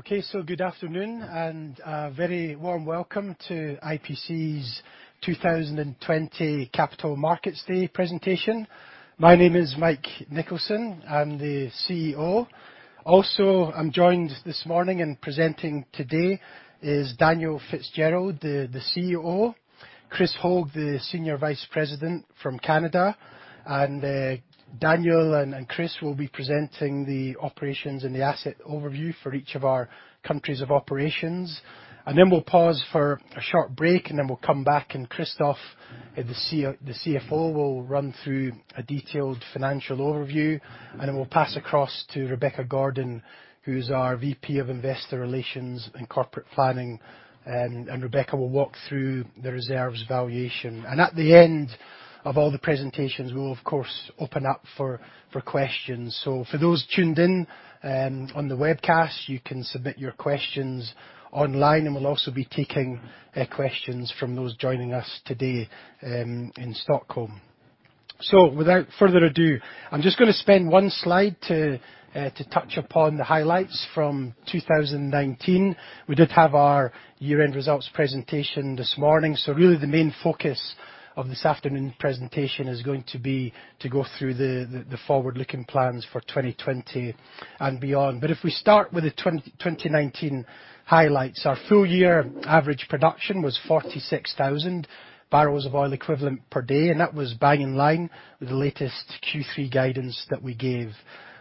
Okay, good afternoon, and very warm welcome to IPC's 2020 Capital Markets Day Presentation. My name is Mike Nicholson. I'm the CEO. I'm joined this morning and presenting today is Daniel Fitzgerald, the CEO, Chris Hogue, the Senior Vice President from Canada, and Daniel and Chris will be presenting the operations and the asset overview for each of our countries of operations. We'll pause for a short break, we'll come back, Christophe, the CFO, will run through a detailed financial overview. We'll pass across to Rebecca Gordon, who's our VP of Investor Relations and Corporate Planning, Rebecca will walk through the reserves valuation. At the end of all the presentations, we'll of course, open up for questions. For those tuned in on the webcast, you can submit your questions online, and we'll also be taking questions from those joining us today in Stockholm. Without further ado, I'm just gonna spend one slide to touch upon the highlights from 2019. We did have our year-end results presentation this morning, really the main focus of this afternoon's presentation is going to be to go through the forward-looking plans for 2020 and beyond. If we start with the 2019 highlights, our full year average production was 46,000 barrels of oil equivalent per day, and that was bang in line with the latest Q3 guidance that we gave.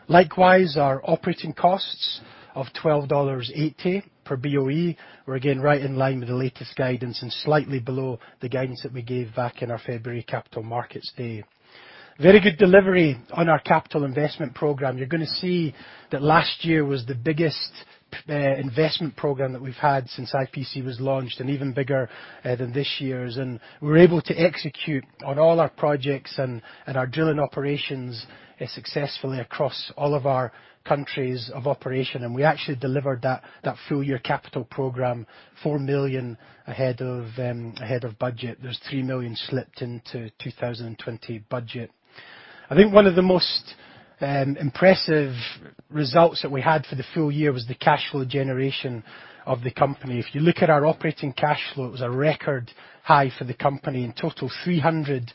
Likewise, our operating costs of $12.80 per BOE were again right in line with the latest guidance and slightly below the guidance that we gave back in our February Capital Markets Day. Very good delivery on our capital investment program. You're gonna see that last year was the biggest investment program that we've had since IPC was launched, and even bigger than this year's. We were able to execute on all our projects and our drilling operations successfully across all of our countries of operation. We actually delivered that full year capital program $4 million ahead of budget. There's $3 million slipped into 2020 budget. I think one of the most impressive results that we had for the full year was the cash flow generation of the company. If you look at our operating cash flow, it was a record high for the company, in total $308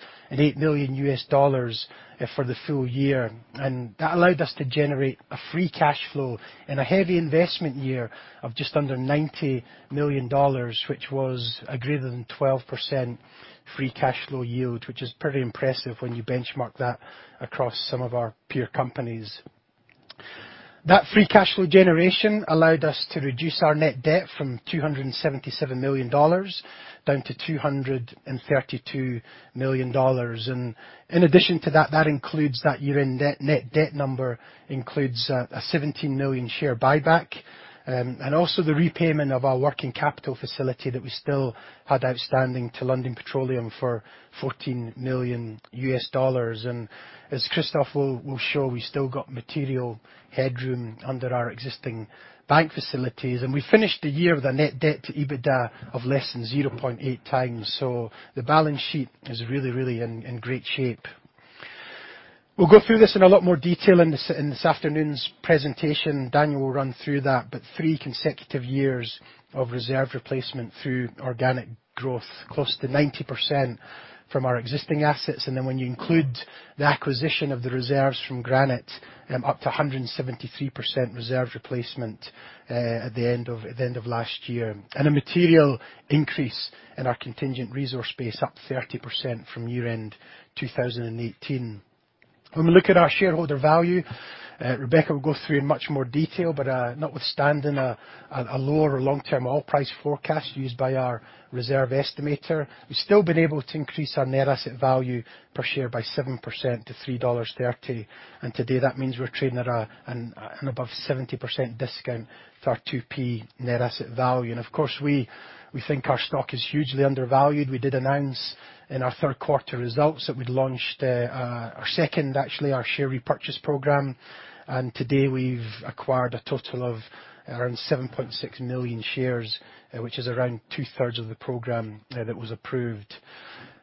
million for the full year. That allowed us to generate a free cash flow in a heavy investment year of just under $90 million, which was a greater than 12% free cash flow yield, which is pretty impressive when you benchmark that across some of our peer companies. That free cash flow generation allowed us to reduce our net debt from $277 million down to $232 million. In addition to that includes that year-end net debt number includes a 17 million share buyback, and also the repayment of our working capital facility that we still had outstanding to Lundin Petroleum for $14 million. As Christophe will show, we've still got material headroom under our existing bank facilities. We finished the year with a net debt to EBITDA of less than 0.8 times, so the balance sheet is really in great shape. We'll go through this in a lot more detail in this afternoon's presentation. Daniel will run through that, but 3 consecutive years of reserve replacement through organic growth, close to 90% from our existing assets. Then when you include the acquisition of the reserves from Granite, up to 173% reserve replacement at the end of last year. A material increase in our contingent resource base, up 30% from year-end 2018. When we look at our shareholder value, Rebecca will go through in much more detail, but, notwithstanding a lower long-term oil price forecast used by our reserve estimator, we've still been able to increase our net asset value per share by 7% to $3.30. Today, that means we're trading at an above 70% discount to our 2P net asset value. Of course, we think our stock is hugely undervalued. We did announce in our Q3 results that we'd launched our second, actually, our share repurchase program, and today we've acquired a total of around 7.6 million shares, which is around two-thirds of the program that was approved.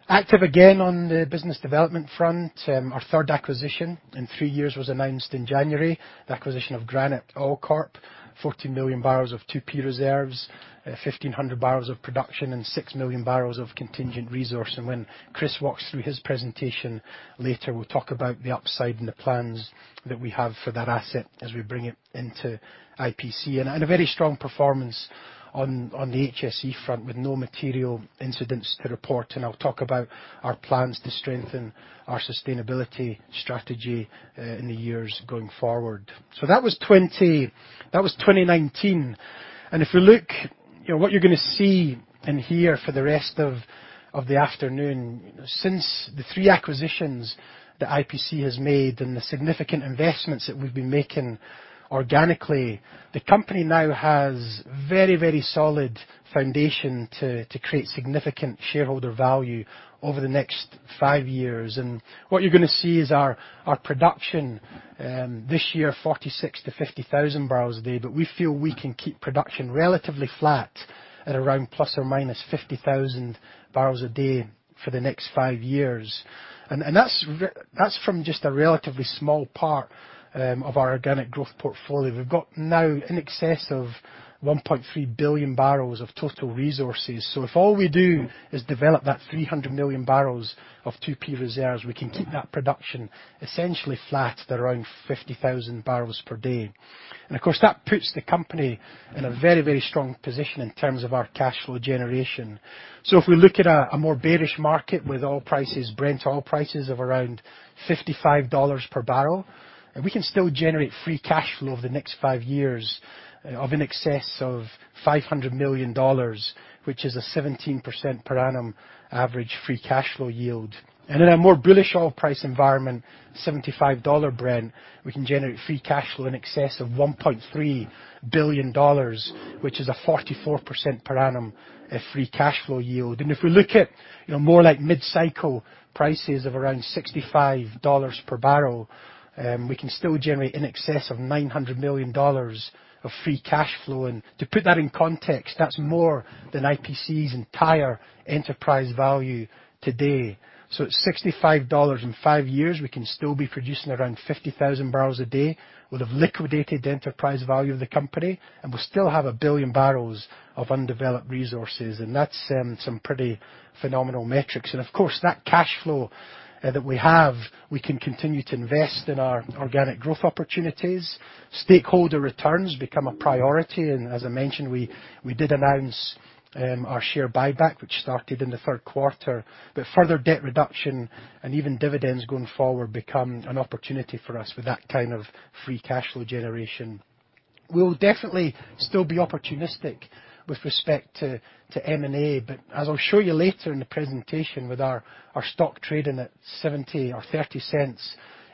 Active again on the business development front, our third acquisition in three years was announced in January, the acquisition of Granite Oil Corp., 14 million barrels of 2P reserves, 1,500 barrels of production, and 6 million barrels of contingent resource. When Chris walks through his presentation later, we'll talk about the upside and the plans that we have for that asset as we bring it into IPC. A very strong performance on the HSE front, with no material incidents to report, and I'll talk about our plans to strengthen our sustainability strategy in the years going forward. That was 2019. If we look, you know, what you're gonna see and hear for the rest of the afternoon, since the 3 acquisitions that IPC has made and the significant investments that we've been making organically, the company now has very, very solid foundation to create significant shareholder value over the next 5 years. What you're gonna see is our production this year, 46,000-50,000 barrels a day, but we feel we can keep production relatively flat at around ±50,000 barrels a day for the next 5 years. That's from just a relatively small part of our organic growth portfolio. We've got now in excess of 1.3 billion barrels of total resources. If all we do is develop that 300 million barrels of 2P reserves, we can keep that production essentially flat at around 50,000 barrels per day. Of course, that puts the company in a very, very strong position in terms of our cash flow generation. If we look at a more bearish market with oil prices, Brent oil prices of around $55 per barrel, we can still generate free cash flow over the next 5 years of in excess of $500 million, which is a 17% per annum average free cash flow yield. In a more bullish oil price environment, $75 Brent, we can generate free cash flow in excess of $1.3 billion, which is a 44% per annum free cash flow yield. If we look at, you know, more like mid-cycle prices of around $65 per barrel, we can still generate in excess of $900 million of free cash flow. To put that in context, that's more than IPC's entire enterprise value today. At $65 in five years, we can still be producing around 50,000 barrels a day. We'd have liquidated the enterprise value of the company, and we'll still have 1 billion barrels of undeveloped resources, and that's some pretty phenomenal metrics. Of course, that cash flow, that we have, we can continue to invest in our organic growth opportunities. Stakeholder returns become a priority, and as I mentioned, we did announce our share buyback, which started in the Q3. Further debt reduction and even dividends going forward become an opportunity for us with that kind of free cash flow generation. We'll definitely still be opportunistic with respect to M&A, but as I'll show you later in the presentation, with our stock trading at $0.70 or $0.30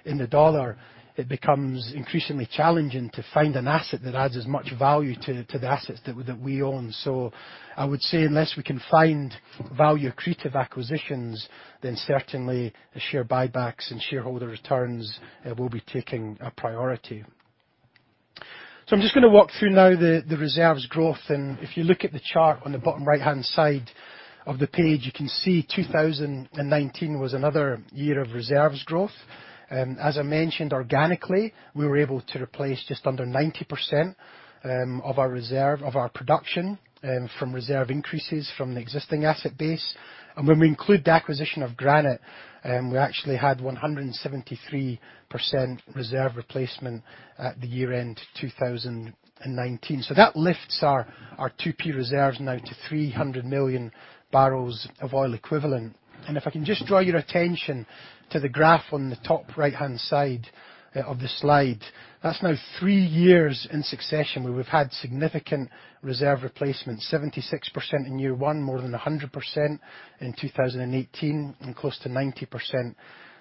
in the dollar, it becomes increasingly challenging to find an asset that adds as much value to the assets that we own. I would say unless we can find value-accretive acquisitions, then certainly the share buybacks and shareholder returns will be taking a priority. I'm just gonna walk through now the reserves growth, and if you look at the chart on the bottom right-hand side of the page, you can see 2019 was another year of reserves growth. As I mentioned, organically, we were able to replace just under 90% of our reserve, of our production, from reserve increases from the existing asset base. When we include the acquisition of Granite, we actually had 173% reserve replacement at the year-end 2019. That lifts our 2P reserves now to 300 million barrels of oil equivalent. If I can just draw your attention to the graph on the top right-hand side of the slide. That's now 3 years in succession, where we've had significant reserve replacement, 76% in year 1, more than 100% in 2018, and close to 90%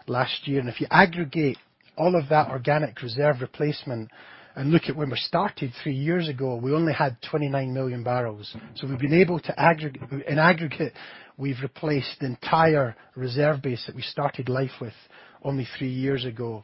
last year. If you aggregate all of that organic reserve replacement and look at where we started 3 years ago, we only had 29 million barrels. We've been able to in aggregate, we've replaced the entire reserve base that we started life with only 3 years ago.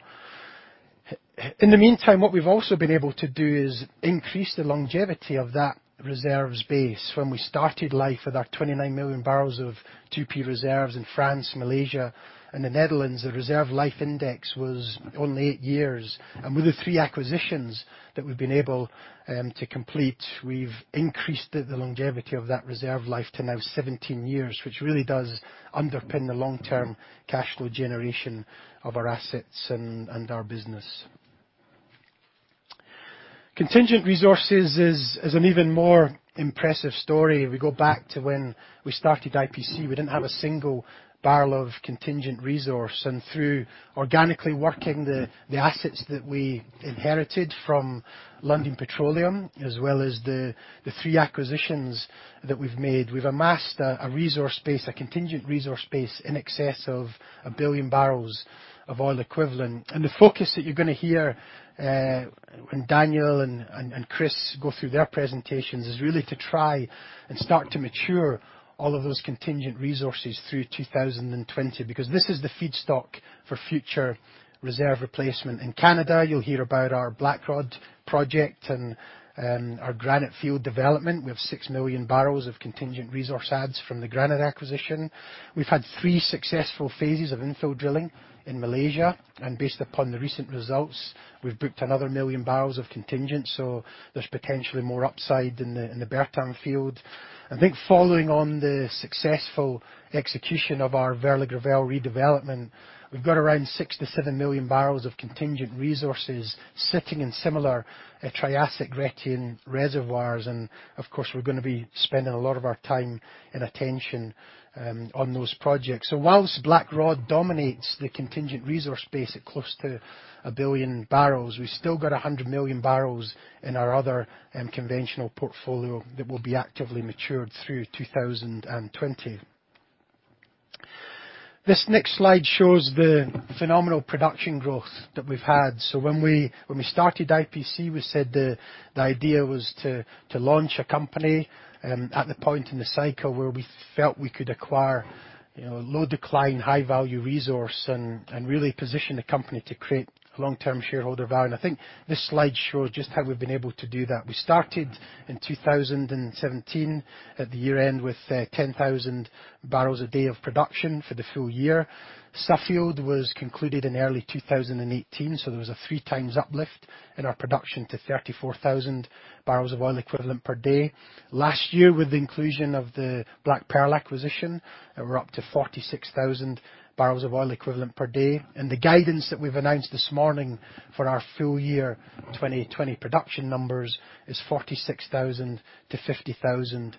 In the meantime, what we've also been able to do is increase the longevity of that reserves base. When we started life with our 29 million barrels of 2P reserves in France, Malaysia, and the Netherlands, the Reserve Life Index was only 8 years. With the 3 acquisitions that we've been able to complete, we've increased the longevity of that reserve life to now 17 years, which really does underpin the long-term cash flow generation of our assets and our business. Contingent resources is an even more impressive story. If we go back to when we started IPC, we didn't have a single barrel of contingent resource, and through organically working the assets that we inherited from Lundin Petroleum, as well as the three acquisitions that we've made, we've amassed a resource base, a contingent resource base, in excess of 1 billion barrels of oil equivalent. The focus that you're gonna hear when Daniel and Chris go through their presentations, is really to try and start to mature all of those contingent resources through 2020, because this is the feedstock for future reserve replacement. In Canada, you'll hear about our Blackrod project and our Granite Field development. We have 6 million barrels of contingent resource adds from the Granite acquisition. We've had 3 successful phases of infill drilling in Malaysia. Based upon the recent results, we've booked another million barrels of contingent, there's potentially more upside in the Bertam field. I think following on the successful execution of our Vert-la-Gravelle redevelopment, we've got around 6 to 7 million barrels of contingent resources sitting in similar Triassic Rhaetian reservoirs, of course, we're gonna be spending a lot of our time and attention on those projects. Whilst Blackrod dominates the contingent resource base at close to 1 billion barrels, we've still got 100 million barrels in our other conventional portfolio that will be actively matured through 2020. This next slide shows the phenomenal production growth that we've had. When we started IPC, we said the idea was to launch a company at the point in the cycle where we felt we could acquire, you know, low decline, high value resource and really position the company to create long-term shareholder value. I think this slide shows just how we've been able to do that. We started in 2017, at the year-end, with 10,000 barrels a day of production for the full year. Suffield was concluded in early 2018, there was a 3 times uplift in our production to 34,000 barrels of oil equivalent per day. Last year, with the inclusion of the BlackPearl acquisition, we're up to 46,000 barrels of oil equivalent per day. The guidance that we've announced this morning for our full year 2020 production numbers is 46,000-50,000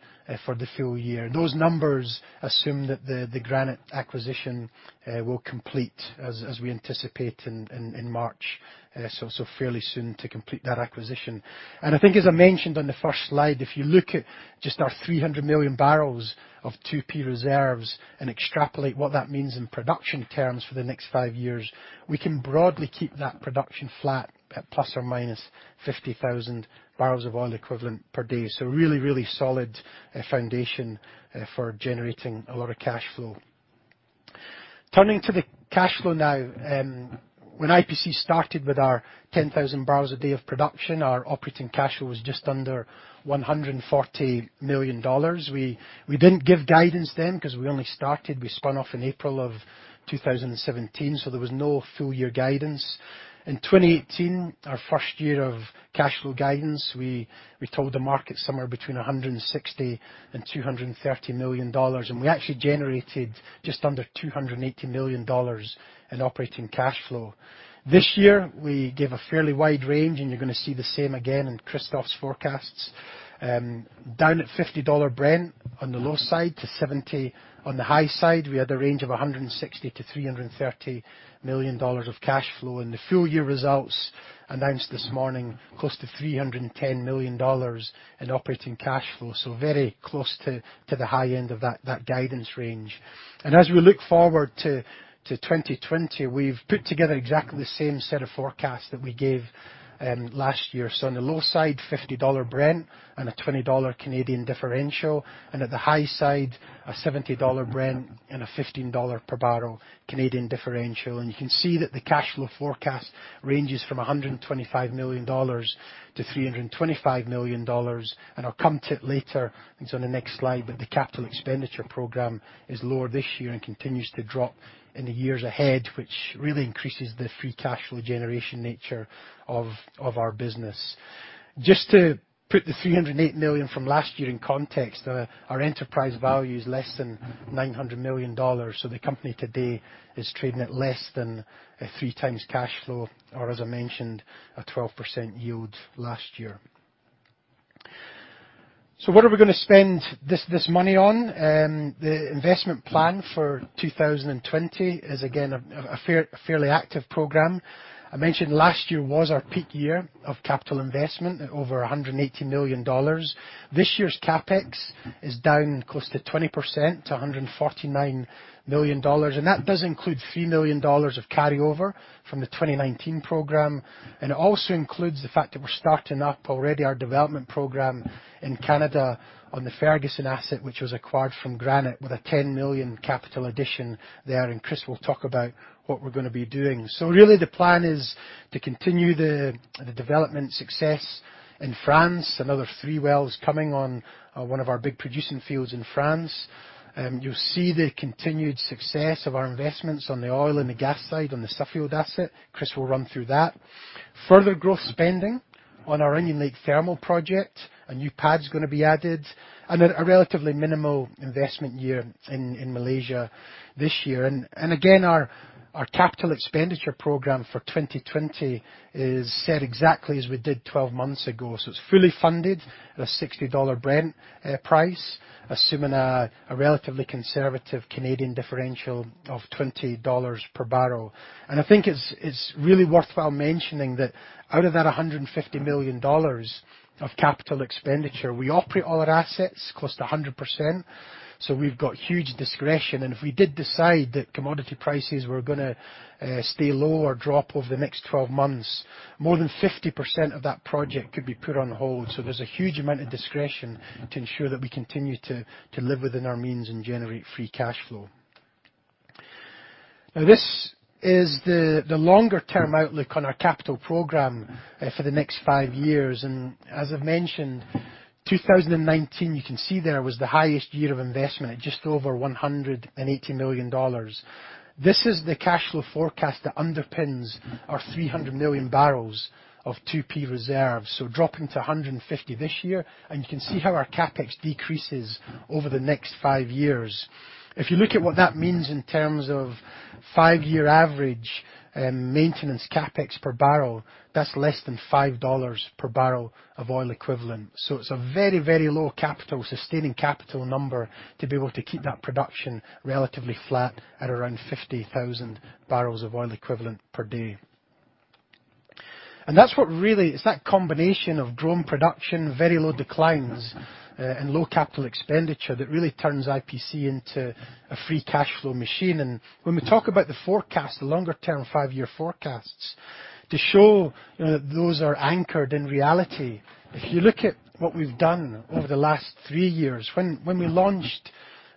for the full year. Those numbers assume that the Granite acquisition will complete as we anticipate in March, so fairly soon to complete that acquisition. I think, as I mentioned on the first slide, if you look at just our 300 million barrels of 2P reserves and extrapolate what that means in production terms for the next 5 years, we can broadly keep that production flat at ±50,000 barrels of oil equivalent per day. Really solid foundation for generating a lot of cash flow. Turning to the cash flow now. When IPC started with our 10,000 barrels a day of production, our operating cash flow was just under $140 million. We didn't give guidance then because we only started, we spun off in April of 2017, there was no full year guidance. In 2018, our first year of cash flow guidance, we told the market somewhere between $160 million and $230 million, we actually generated just under $280 million in operating cash flow. This year, we gave a fairly wide range, you're gonna see the same again in Christophe's forecasts. Down at $50 Brent on the low side to $70 on the high side, we had a range of $160 million-$330 million of cash flow. In the full year results announced this morning, close to $310 million in operating cash flow. Very close to the high end of that guidance range. As we look forward to 2020, we've put together exactly the same set of forecasts that we gave last year. On the low side, $50 Brent and a $20 Canadian differential, and at the high side, a $70 Brent and a $15 per barrel Canadian differential. You can see that the cash flow forecast ranges from $125 million to $325 million. I'll come to it later, it's on the next slide, but the capital expenditure program is lower this year and continues to drop in the years ahead, which really increases the free cash flow generation nature of our business. Just to put the $308 million from last year in context, our enterprise value is less than $900 million. The company today is trading at less than a 3 times cash flow, or, as I mentioned, a 12% yield last year. What are we gonna spend this money on? The investment plan for 2020 is again, a fairly active program. I mentioned last year was our peak year of capital investment, at over $180 million. This year's CapEx is down close to 20%, to $149 million, that does include $3 million of carryover from the 2019 program. It also includes the fact that we're starting up already our development program in Canada on the Ferguson asset, which was acquired from Granite, with a $10 million capital addition there, and Chris will talk about what we're gonna be doing. Really the plan is to continue the development success in France. Another 3 wells coming on, one of our big producing fields in France. You'll see the continued success of our investments on the oil and the gas side, on the Suffield asset. Chris will run through that. Further growth spending on our Onion Lake thermal project. A new pad's gonna be added, a relatively minimal investment year in Malaysia this year. Again, our capital expenditure program for 2020 is set exactly as we did 12 months ago. It's fully funded at a $60 Brent price, assuming a relatively conservative Canadian differential of $20 per barrel. I think it's really worthwhile mentioning that out of that $150 million of capital expenditure, we operate all our assets close to 100%, so we've got huge discretion. If we did decide that commodity prices were gonna stay low or drop over the next 12 months, more than 50% of that project could be put on hold. There's a huge amount of discretion to ensure that we continue to live within our means and generate free cash flow. This is the longer-term outlook on our capital program for the next five years. As I've mentioned, 2019 was the highest year of investment at just over $180 million. This is the cash flow forecast that underpins our 300 million barrels of 2P reserves, dropping to $150 million this year. You can see how our CapEx decreases over the next five years. If you look at what that means in terms of five-year average maintenance CapEx per barrel, that's less than $5 per barrel of oil equivalent. It's a very, very low capital, sustaining capital number to be able to keep that production relatively flat at around 50,000 barrels of oil equivalent per day. That's what really, it's that combination of growing production, very low declines, and low CapEx, that really turns IPC into a free cash flow machine. When we talk about the forecast, the longer term 5-year forecasts, to show, you know, those are anchored in reality. If you look at what we've done over the last 3 years, when we launched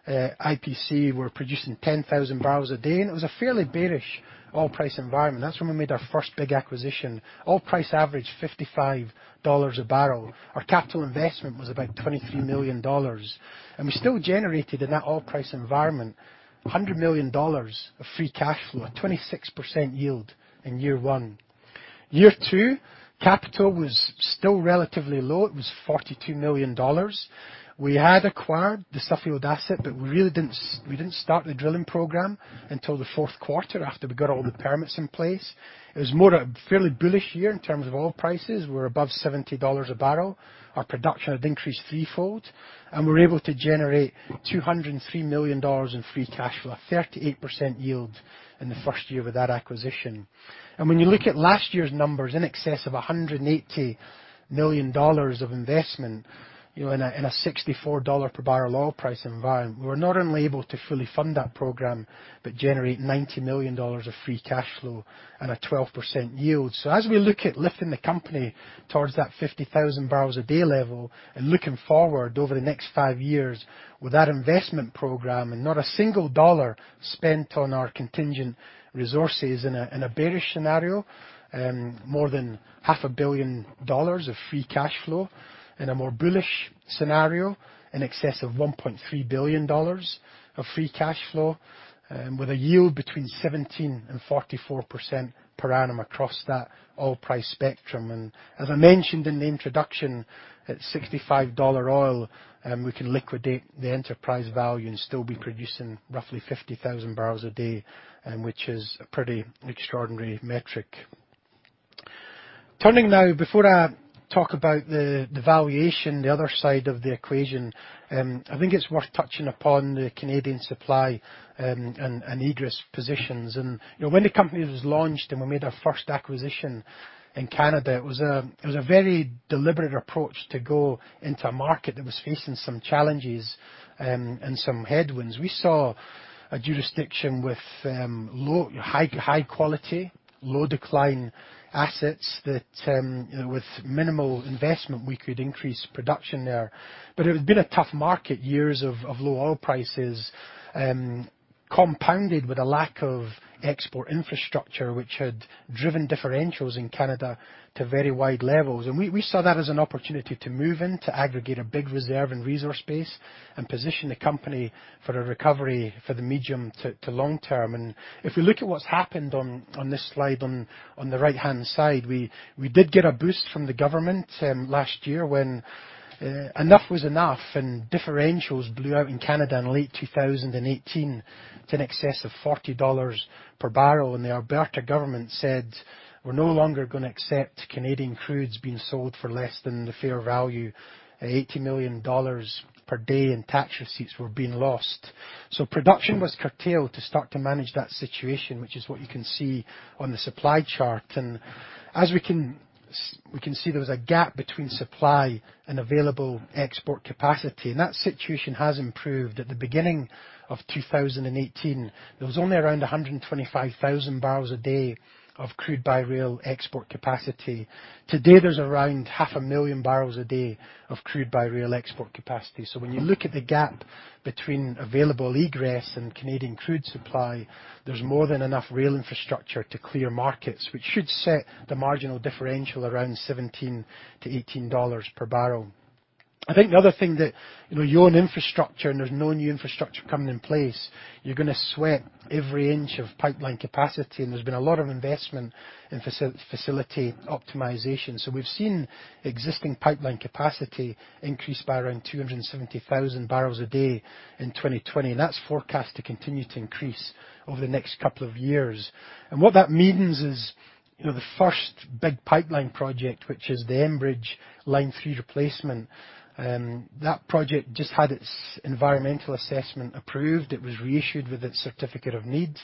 IPC, we were producing 10,000 barrels a day, and it was a fairly bearish oil price environment. That's when we made our first big acquisition. Oil price averaged $55 a barrel. Our capital investment was about $23 million, we still generated in that oil price environment, $100 million of free cash flow, a 26% yield in year one. Year 2, capital was still relatively low. It was $42 million. We had acquired the Suffield asset, we really didn't start the drilling program until the Q4, after we got all the permits in place. It was more a fairly bullish year in terms of oil prices. We were above $70 a barrel. Our production had increased threefold, we were able to generate $203 million in free cash flow, a 38% yield in the first year with that acquisition. When you look at last year's numbers, in excess of $180 million of investment, you know, in a $64 per barrel oil price environment, we were not only able to fully fund that program, but generate $90 million of free cash flow and a 12% yield. As we look at lifting the company towards that 50,000 barrels a day level, and looking forward over the next 5 years with that investment program, and not a single dollar spent on our contingent resources in a bearish scenario, more than $0.5 billion of free cash flow. In a more bullish scenario, in excess of $1.3 billion of free cash flow, with a yield between 17% and 44% per annum across that oil price spectrum. As I mentioned in the introduction, at $65 oil, we can liquidate the enterprise value and still be producing roughly 50,000 barrels a day, which is a pretty extraordinary metric. Turning now, before I talk about the valuation, the other side of the equation, I think it's worth touching upon the Canadian supply and egress positions. You know, when the company was launched, and we made our first acquisition in Canada, it was a, it was a very deliberate approach to go into a market that was facing some challenges and some headwinds. We saw a jurisdiction with High quality, low decline assets that, you know, with minimal investment, we could increase production there. It had been a tough market, years of low oil prices, compounded with a lack of export infrastructure, which had driven differentials in Canada to very wide levels. We saw that as an opportunity to move in, to aggregate a big reserve and resource base, and position the company for a recovery for the medium to long term. If we look at what's happened on this slide, on the right-hand side, we did get a boost from the government last year when enough was enough, and differentials blew out in Canada in late 2018 to an excess of $40 per barrel. The Alberta government said, "We're no longer gonna accept Canadian crudes being sold for less than the fair value." $80 million per day in tax receipts were being lost. Production was curtailed to start to manage that situation, which is what you can see on the supply chart. As we can see, there was a gap between supply and available export capacity, and that situation has improved. At the beginning of 2018, there was only around 125,000 barrels a day of crude by rail export capacity. Today, there's around 500,000 barrels a day of crude by rail export capacity. When you look at the gap between available egress and Canadian crude supply, there's more than enough rail infrastructure to clear markets, which should set the marginal differential around $17-$18 per barrel. I think the other thing that, you know, you own infrastructure. There's no new infrastructure coming in place, you're gonna sweat every inch of pipeline capacity. There's been a lot of investment in facility optimization. We've seen existing pipeline capacity increase by around 270,000 barrels a day in 2020. That's forecast to continue to increase over the next couple of years. What that means is, you know, the first big pipeline project, which is the Enbridge Line 3 replacement, that project just had its environmental assessment approved. It was reissued with its certificate of need.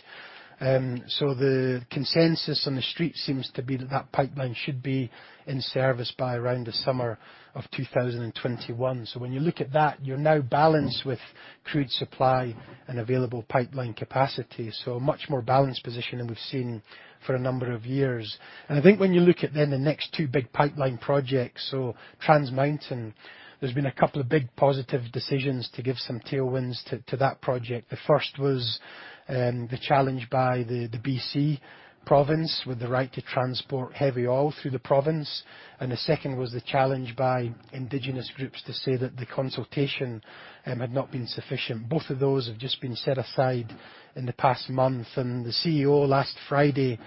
The consensus on the street seems to be that pipeline should be in service by around the summer of 2021. When you look at that, you're now balanced with crude supply and available pipeline capacity, so a much more balanced position than we've seen for a number of years. I think when you look at then the next two big pipeline projects, Trans Mountain, there's been a couple of big positive decisions to give some tailwinds to that project. The first was the challenge by the B.C. province, with the right to transport heavy oil through the province, and the second was the challenge by indigenous groups to say that the consultation had not been sufficient. Both of those have just been set aside in the past month, and the CEO, last Friday,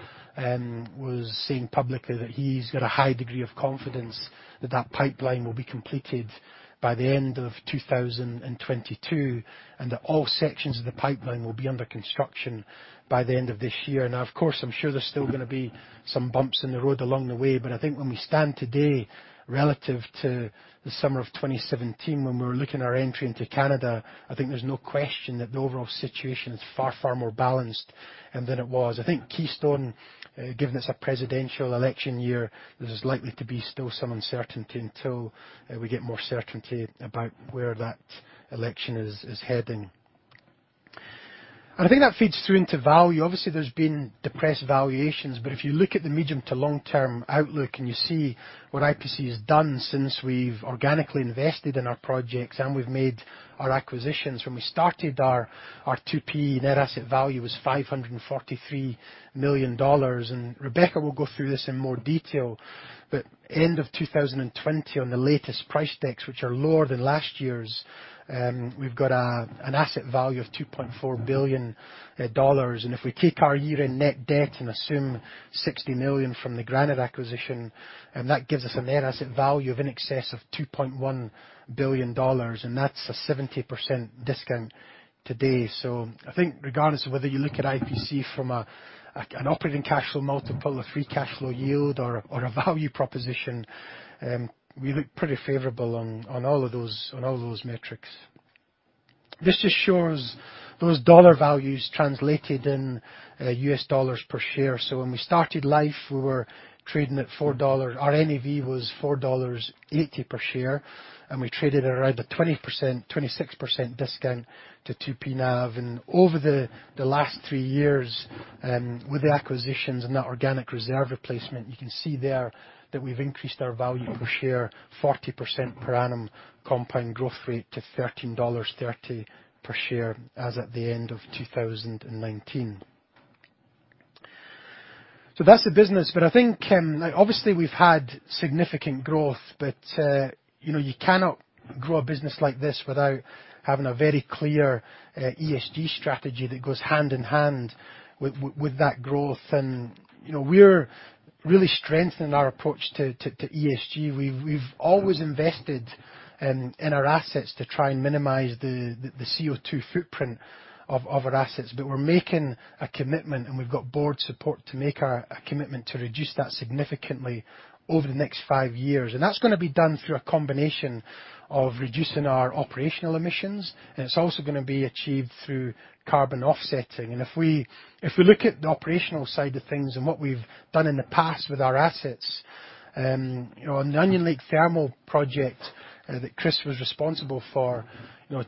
was saying publicly that he's got a high degree of confidence that that pipeline will be completed by the end of 2022, and that all sections of the pipeline will be under construction by the end of this year. Now, of course, I'm sure there's still gonna be some bumps in the road along the way, but I think when we stand today relative to the summer of 2017, when we were looking our entry into Canada, I think there's no question that the overall situation is far, far more balanced than it was. I think Keystone, given it's a presidential election year, there's likely to be still some uncertainty until we get more certainty about where that election is heading. I think that feeds through into value. Obviously, there's been depressed valuations, but if you look at the medium to long-term outlook, and you see what IPC has done since we've organically invested in our projects, and we've made our acquisitions. When we started our 2P, net asset value was $543 million, and Rebecca will go through this in more detail. End of 2020, on the latest price decks, which are lower than last year's, we've got an asset value of $2.4 billion. If we take our year-end net debt and assume $60 million from the Granite acquisition, that gives us a net asset value of in excess of $2.1 billion, and that's a 70% discount today. I think regardless of whether you look at IPC from an operating cash flow multiple, a free cash flow yield, or a value proposition, we look pretty favorable on all of those metrics. This assures those dollar values translated in U.S. dollars per share. When we started life, we were trading at $4. Our NAV was $4.80 per share, and we traded around a 20%, 26% discount to 2P NAV. Over the last three years, with the acquisitions and that organic reserve replacement, you can see there that we've increased our value per share 40% per annum, compound growth rate to $13.30 per share as at the end of 2019. That's the business, but I think, now, obviously, we've had significant growth, but, you know, you cannot grow a business like this without having a very clear, ESG strategy that goes hand in hand with that growth. You know, we're really strengthening our approach to ESG. We've always invested in our assets to try and minimize the CO2 footprint of our assets. We're making a commitment, and we've got board support to make a commitment to reduce that significantly over the next five years. That's gonna be done through a combination of reducing our operational emissions, and it's also gonna be achieved through carbon offsetting. If we look at the operational side of things and what we've done in the past with our assets, you know, on the Onion Lake thermal project, that Chris was responsible for. You know,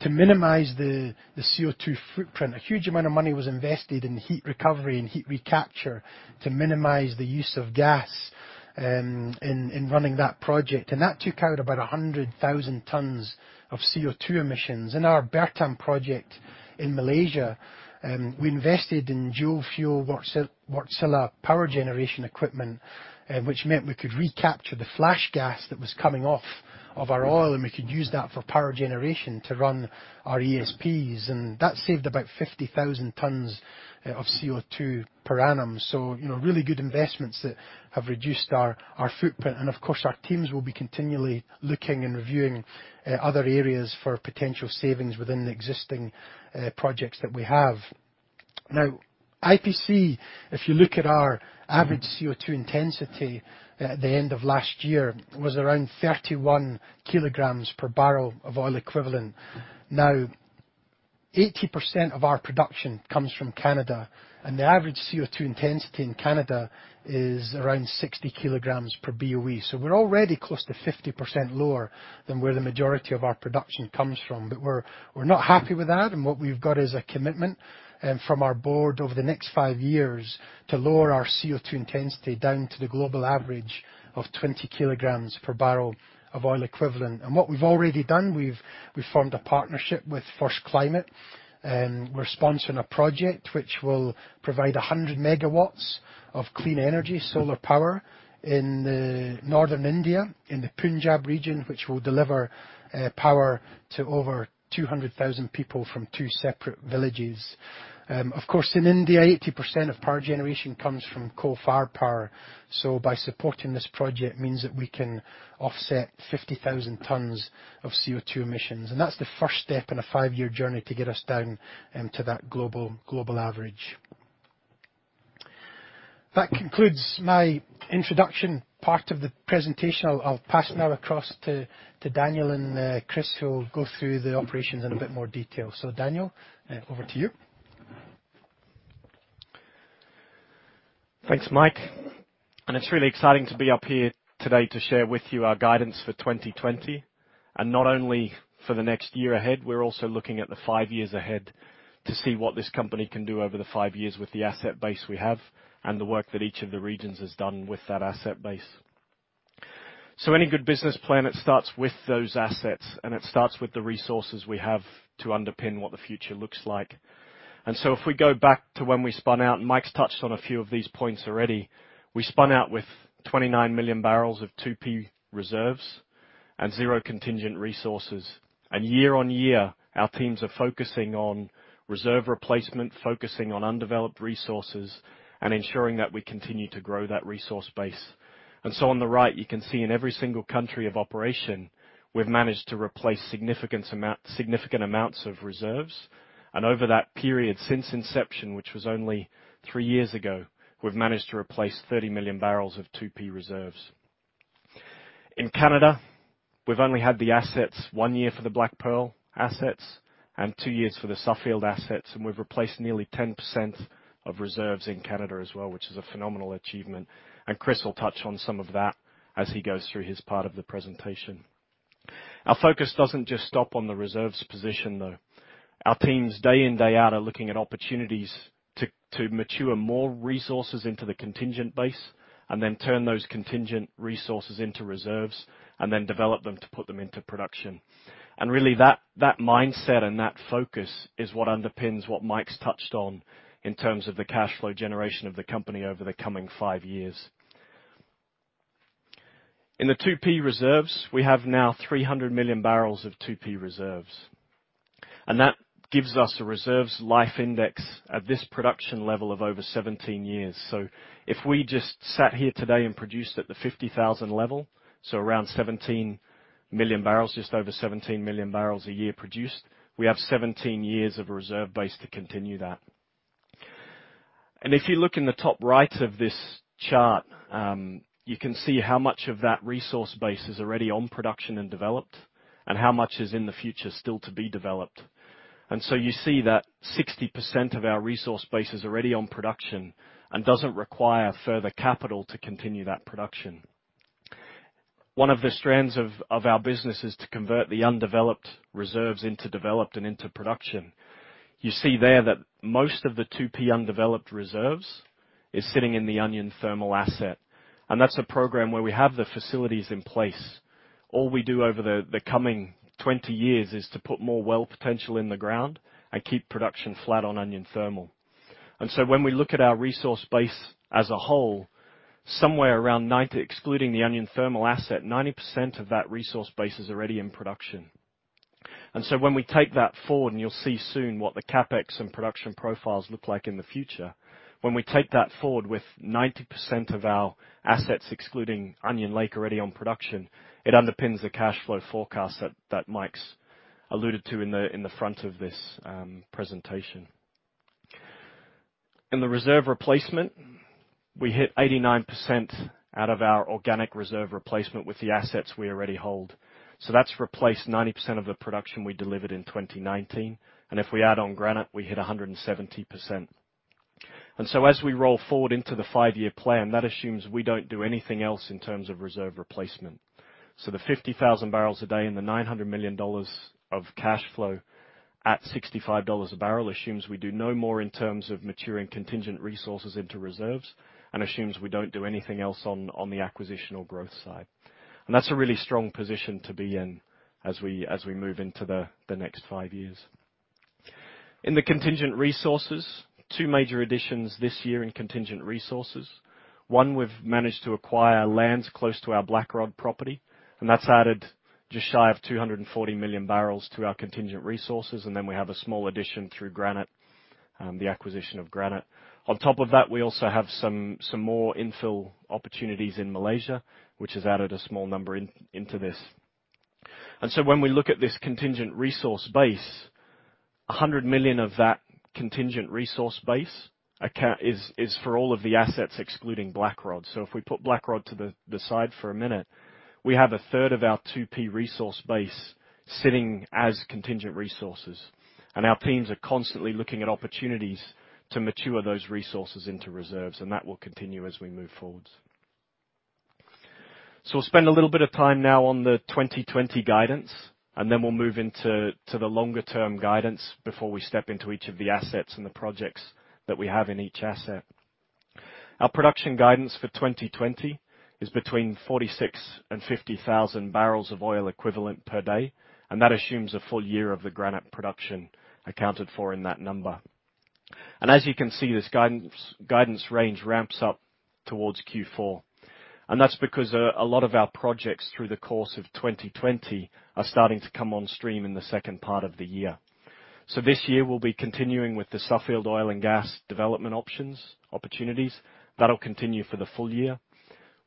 to minimize the CO2 footprint, a huge amount of money was invested in heat recovery and heat recapture to minimize the use of gas in running that project, and that took out about 100,000 tons of CO2 emissions. In our Bertam project in Malaysia, we invested in dual-fuel Wärtsilä power generation equipment, which meant we could recapture the flash gas that was coming off of our oil, and we could use that for power generation to run our ESPs, and that saved about 50,000 tons of CO2 per annum. You know, really good investments that have reduced our footprint, and of course, our teams will be continually looking and reviewing other areas for potential savings within the existing projects that we have. IPC, if you look at our average CO2 intensity at the end of last year, was around 31 kilograms per barrel of oil equivalent. 80% of our production comes from Canada, and the average CO2 intensity in Canada is around 60 kilograms per BOE. We're already close to 50% lower than where the majority of our production comes from. We're, we're not happy with that, and what we've got is a commitment from our board over the next 5 years, to lower our CO2 intensity down to the global average of 20 kilograms per barrel of oil equivalent. What we've already done, we've formed a partnership with First Climate, and we're sponsoring a project which will provide 100 megawatts of clean energy, solar power, in Northern India, in the Punjab region, which will deliver power to over 200,000 people from two separate villages. Of course, in India, 80% of power generation comes from coal-fired power, so by supporting this project, means that we can offset 50,000 tons of CO2 emissions. That's the first step in a 5-year journey to get us down into that global average. That concludes my introduction part of the presentation. I'll pass now across to Daniel and Chris, who will go through the operations in a bit more detail. Daniel, over to you. Thanks, Mike. It's really exciting to be up here today to share with you our guidance for 2020. Not only for the next year ahead, we're also looking at the five years ahead to see what this company can do over the five years with the asset base we have, and the work that each of the regions has done with that asset base. Any good business plan, it starts with those assets, and it starts with the resources we have to underpin what the future looks like. If we go back to when we spun out, and Mike's touched on a few of these points already. We spun out with 29 million barrels of 2P reserves and 0 contingent resources. Year on year, our teams are focusing on reserve replacement, focusing on undeveloped resources, and ensuring that we continue to grow that resource base. On the right, you can see in every single country of operation, we've managed to replace significant amounts of reserves. Over that period, since inception, which was only three years ago, we've managed to replace 30 million barrels of 2P reserves. In Canada, we've only had the assets one year for the BlackPearl assets and two years for the Suffield assets, and we've replaced nearly 10% of reserves in Canada as well, which is a phenomenal achievement. Chris will touch on some of that as he goes through his part of the presentation. Our focus doesn't just stop on the reserves position, though. Our teams, day in, day out, are looking at opportunities to mature more resources into the contingent base, and then turn those contingent resources into reserves, and then develop them to put them into production. And really, that mindset and that focus is what underpins what Mike’s touched on in terms of the cash flow generation of the company over the coming 5 years. In the 2P reserves, we have now 300 million barrels of 2P reserves, and that gives us a Reserve Life Index at this production level of over 17 years. So if we just sat here today and produced at the 50,000 level, so around 17 million barrels, just over 17 million barrels a year produced, we have 17 years of a reserve base to continue that. If you look in the top right of this chart, you can see how much of that resource base is already on production and developed, and how much is in the future still to be developed. You see that 60% of our resource base is already on production and doesn't require further capital to continue that production. One of the strands of our business is to convert the undeveloped reserves into developed and into production. You see there that most of the 2P undeveloped reserves is sitting in the Onion Thermal asset, and that's a program where we have the facilities in place. All we do over the coming 20 years is to put more well potential in the ground and keep production flat on Onion Thermal. When we look at our resource base as a whole, somewhere around 90... Excluding the Onion Thermal asset, 90% of that resource base is already in production. When we take that forward, and you'll see soon what the CapEx and production profiles look like in the future. When we take that forward with 90% of our assets, excluding Onion Lake, already on production, it underpins the cash flow forecast that Mike's alluded to in the front of this presentation. In the reserve replacement, we hit 89% out of our organic reserve replacement with the assets we already hold. That's replaced 90% of the production we delivered in 2019, and if we add on Granite, we hit 170%. As we roll forward into the five-year plan, that assumes we don't do anything else in terms of reserve replacement. The 50,000 barrels a day and the $900 million of cash flow at $65 a barrel assumes we do no more in terms of maturing contingent resources into reserves and assumes we don't do anything else on the acquisitional growth side. That's a really strong position to be in as we, as we move into the next 5 years. In the contingent resources, 2 major additions this year in contingent resources. One, we've managed to acquire lands close to our Blackrod property, and that's added just shy of 240 million barrels to our contingent resources, and then we have a small addition through Granite, the acquisition of Granite. On top of that, we also have some more infill opportunities in Malaysia, which has added a small number in, into this. When we look at this contingent resource base, 100 million of that contingent resource base account is for all of the assets, excluding Blackrod. If we put Blackrod to the side for a minute, we have a third of our 2P resource base sitting as contingent resources, and our teams are constantly looking at opportunities to mature those resources into reserves, and that will continue as we move forwards. We'll spend a little bit of time now on the 2020 guidance, and then we'll move into the longer-term guidance before we step into each of the assets and the projects that we have in each asset. Our production guidance for 2020 is between 46,000 and 50,000 barrels of oil equivalent per day, and that assumes a full year of the Granite production accounted for in that number. As you can see, this guidance range ramps up towards Q4, that's because a lot of our projects, through the course of 2020, are starting to come on stream in the second part of the year. This year we'll be continuing with the Suffield Oil and Gas development options, opportunities. That'll continue for the full year.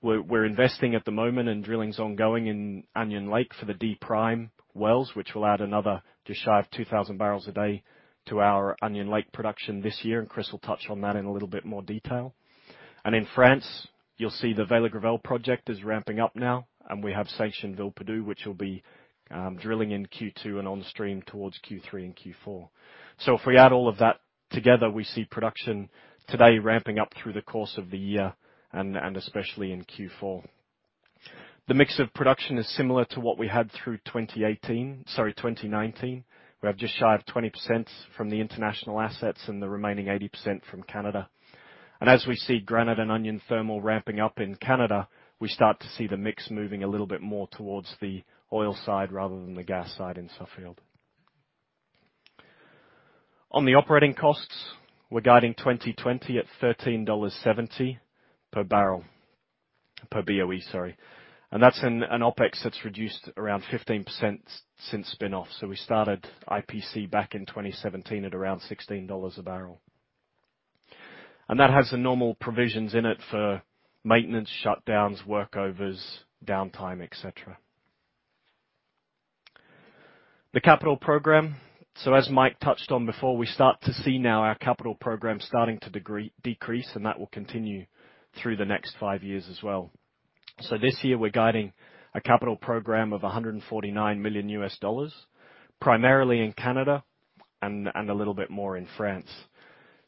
We're investing at the moment, drilling's ongoing in Onion Lake for the D prime wells, which will add another just shy of 2,000 barrels a day to our Onion Lake production this year, Chris will touch on that in a little bit more detail. In France, you'll see the Veligreville project is ramping up now, we have Saint Chenil Pedou, which will be drilling in Q2 and on stream towards Q3 and Q4. If we add all of that together, we see production today ramping up through the course of the year and especially in Q4. The mix of production is similar to what we had through 2018. Sorry, 2019. We have just shy of 20% from the international assets and the remaining 80% from Canada. As we see Granite and Onion Thermal ramping up in Canada, we start to see the mix moving a little bit more towards the oil side rather than the gas side in Suffield. On the operating costs, we're guiding 2020 at $13.70 per barrel, per BOE, sorry, and that's an OpEx that's reduced around 15% since spin-off. We started IPC back in 2017 at around $16 a barrel. That has the normal provisions in it for maintenance, shutdowns, workovers, downtime, et cetera. The capital program. As Mike touched on before, we start to see now our capital program starting to decrease, and that will continue through the next five years as well. This year, we're guiding a capital program of $149 million, primarily in Canada and a little bit more in France.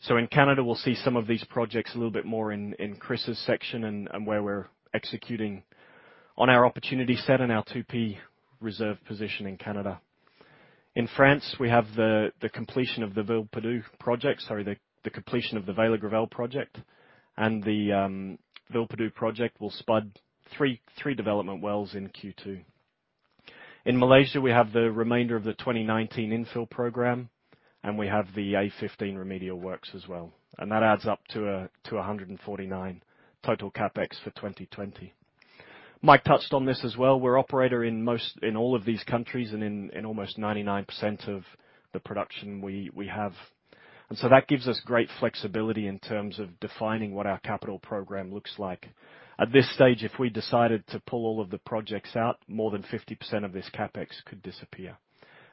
In Canada, we'll see some of these projects a little bit more in Chris's section and where we're executing on our opportunity set and our 2P reserve position in Canada. In France, we have the completion of the Villeperdue project, sorry, the completion of the Villeperdue project, and the Villeperdue project will spud three development wells in Q2. In Malaysia, we have the remainder of the 2019 infill program, and we have the A-15 remedial works as well, and that adds up to a $149 total CapEx for 2020. Mike touched on this as well. We're operator in all of these countries, and in almost 99% of the production we have. That gives us great flexibility in terms of defining what our capital program looks like. At this stage, if we decided to pull all of the projects out, more than 50% of this CapEx could disappear,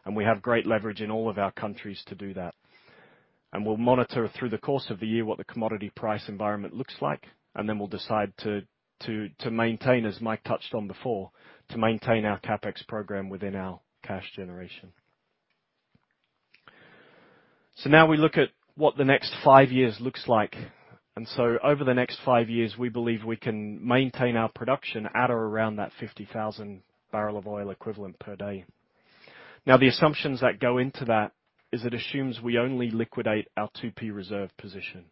and we have great leverage in all of our countries to do that. We'll monitor through the course of the year what the commodity price environment looks like, and then we'll decide to maintain, as Mike touched on before, to maintain our CapEx program within our cash generation. Now we look at what the next 5 years looks like. Over the next 5 years, we believe we can maintain our production at or around that 50,000 barrel of oil equivalent per day. Now, the assumptions that go into that is it assumes we only liquidate our 2P reserve position.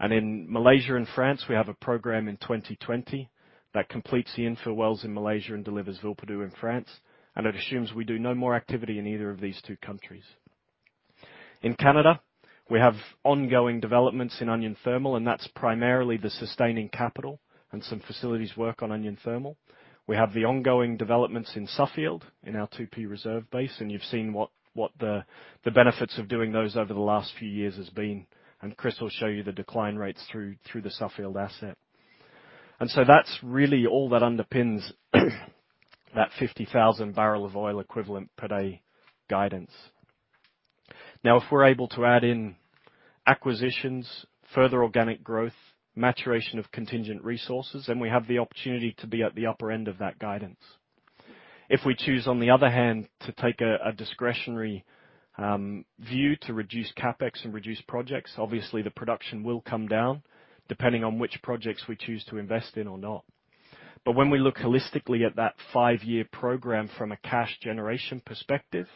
In Malaysia and France, we have a program in 2020 that completes the infill wells in Malaysia and delivers Villeperdue in France, and it assumes we do no more activity in either of these two countries. In Canada, we have ongoing developments in Onion Thermal, and that's primarily the sustaining capital and some facilities work on Onion Thermal. We have the ongoing developments in Suffield, in our 2P reserve base, and you've seen what the benefits of doing those over the last few years has been. Chris will show you the decline rates through the Suffield asset. That's really all that underpins that 50,000 barrel of oil equivalent per day guidance. If we're able to add in acquisitions, further organic growth, maturation of contingent resources, then we have the opportunity to be at the upper end of that guidance. If we choose, on the other hand, to take a discretionary view to reduce CapEx and reduce projects, obviously the production will come down, depending on which projects we choose to invest in or not. When we look holistically at that five-year program from a cash generation perspective,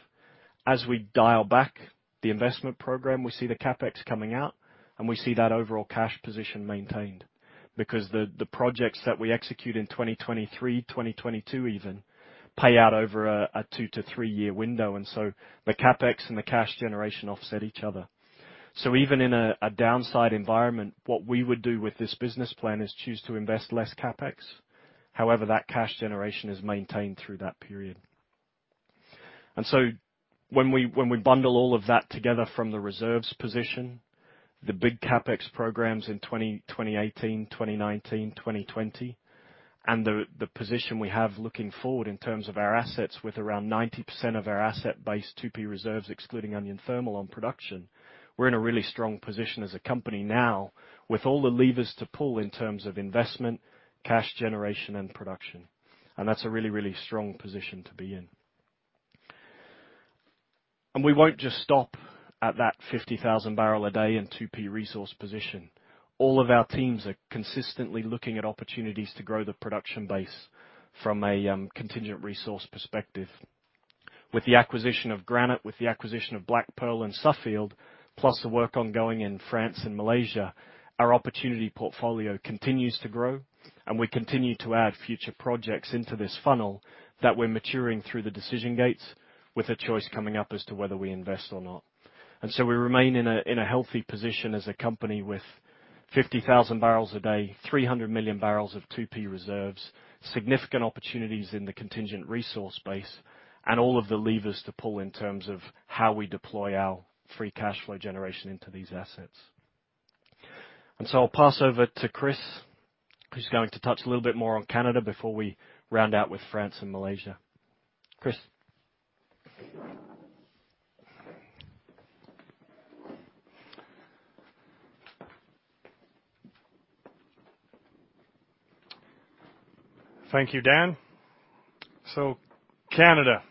as we dial back the investment program, we see the CapEx coming out, and we see that overall cash position maintained. The projects that we execute in 2023, 2022 even, pay out over a 2 to 3-year window, the CapEx and the cash generation offset each other. Even in a downside environment, what we would do with this business plan is choose to invest less CapEx. However, that cash generation is maintained through that period. When we bundle all of that together from the reserves position, the big CapEx programs in 2018, 2019, 2020, and the position we have looking forward in terms of our assets, with around 90% of our asset base, 2P reserves, excluding Onion Thermal, on production, we're in a really strong position as a company now with all the levers to pull in terms of investment, cash generation, and production. That's a really strong position to be in. We won't just stop at that 50,000 barrel a day and 2P resource position. All of our teams are consistently looking at opportunities to grow the production base from a contingent resource perspective. With the acquisition of Granite, with the acquisition of BlackPearl and Suffield, plus the work ongoing in France and Malaysia, our opportunity portfolio continues to grow. We continue to add future projects into this funnel that we're maturing through the decision gates with a choice coming up as to whether we invest or not. We remain in a healthy position as a company with 50,000 barrels a day, 300 million barrels of 2P reserves, significant opportunities in the contingent resource base, and all of the levers to pull in terms of how we deploy our free cash flow generation into these assets. I'll pass over to Chris, who's going to touch a little bit more on Canada before we round out with France and Malaysia. Chris? Thank you, Dan. Canada.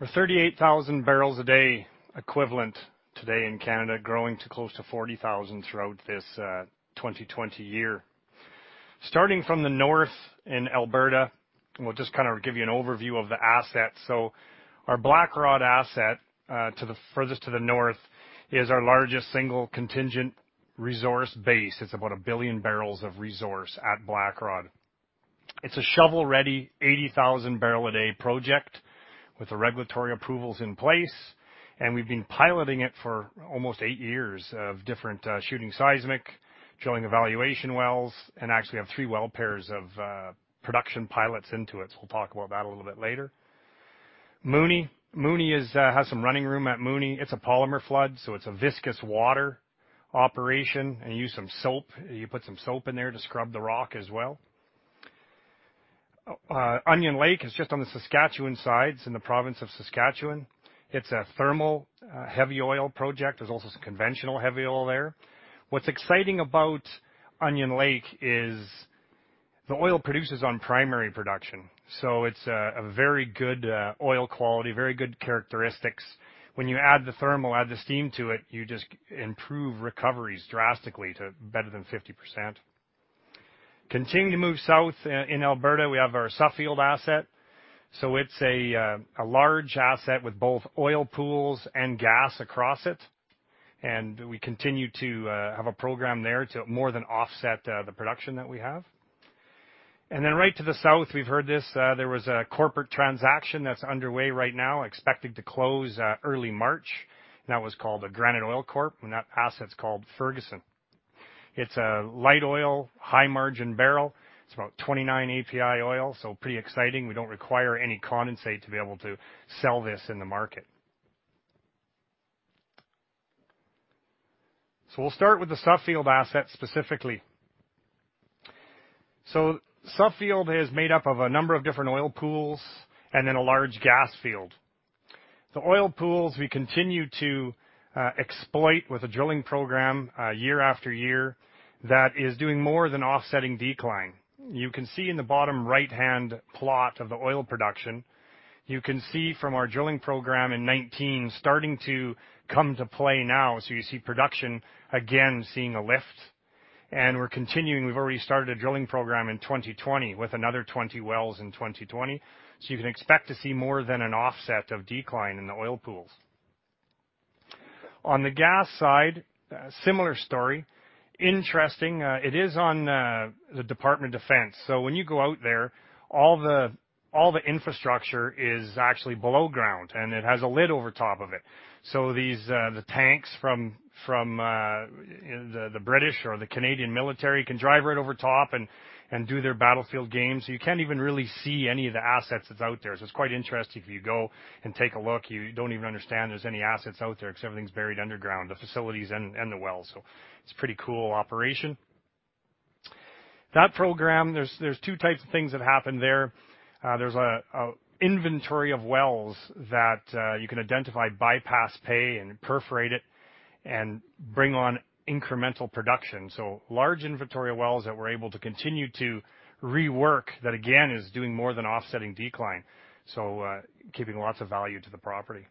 We're 38,000 barrels a day equivalent today in Canada, growing to close to 40,000 throughout this 2020 year. Starting from the north in Alberta, we'll just kind of give you an overview of the asset. Our Blackrod asset, to the furthest to the north, is our largest single contingent resource base. It's about 1 billion barrels of resource at Blackrod. It's a shovel-ready, 80,000 barrel a day project with the regulatory approvals in place, and we've been piloting it for almost 8 years of different shooting seismic, drilling evaluation wells, and actually have 3 well pairs of production pilots into it. We'll talk about that a little bit later. Mooney. Mooney has some running room at Mooney. It's a polymer flood, so it's a viscous water operation and use some soap. You put some soap in there to scrub the rock as well. Onion Lake is just on the Saskatchewan sides, in the province of Saskatchewan. It's a thermal heavy oil project. There's also some conventional heavy oil there. What's exciting about Onion Lake is the oil produces on primary production, so it's a very good oil quality, very good characteristics. When you add the thermal, add the steam to it, you just improve recoveries drastically to better than 50%. Continuing to move south, in Alberta, we have our Suffield asset, so it's a large asset with both oil pools and gas across it. We continue to have a program there to more than offset the production that we have. Right to the south, we've heard this, there was a corporate transaction that's underway right now, expected to close early March. That was called the Granite Oil Corp, and that asset's called Ferguson. It's a light oil, high-margin barrel. It's about 29 API oil, so pretty exciting. We don't require any condensate to be able to sell this in the market. We'll start with the Suffield asset specifically. Suffield is made up of a number of different oil pools and then a large gas field. The oil pools, we continue to exploit with a drilling program, year after year, that is doing more than offsetting decline. You can see in the bottom right-hand plot of the oil production, you can see from our drilling program in 2019 starting to come to play now. You see production again, seeing a lift, and we're continuing. We've already started a drilling program in 2020, with another 20 wells in 2020. You can expect to see more than an offset of decline in the oil pools. On the gas side, similar story. Interesting, it is on the Department of Defense, when you go out there, all the infrastructure is actually below ground, and it has a lid over top of it. These the tanks from the British or the Canadian military can drive right over top and do their battlefield games. You can't even really see any of the assets that's out there. It's quite interesting. If you go and take a look, you don't even understand there's any assets out there because everything's buried underground, the facilities and the wells. It's a pretty cool operation. That program, there's two types of things that happen there. There's a inventory of wells that you can identify, bypass, pay and perforate it and bring on incremental production. Large inventory of wells that we're able to continue to rework that again, is doing more than offsetting decline. Keeping lots of value to the property.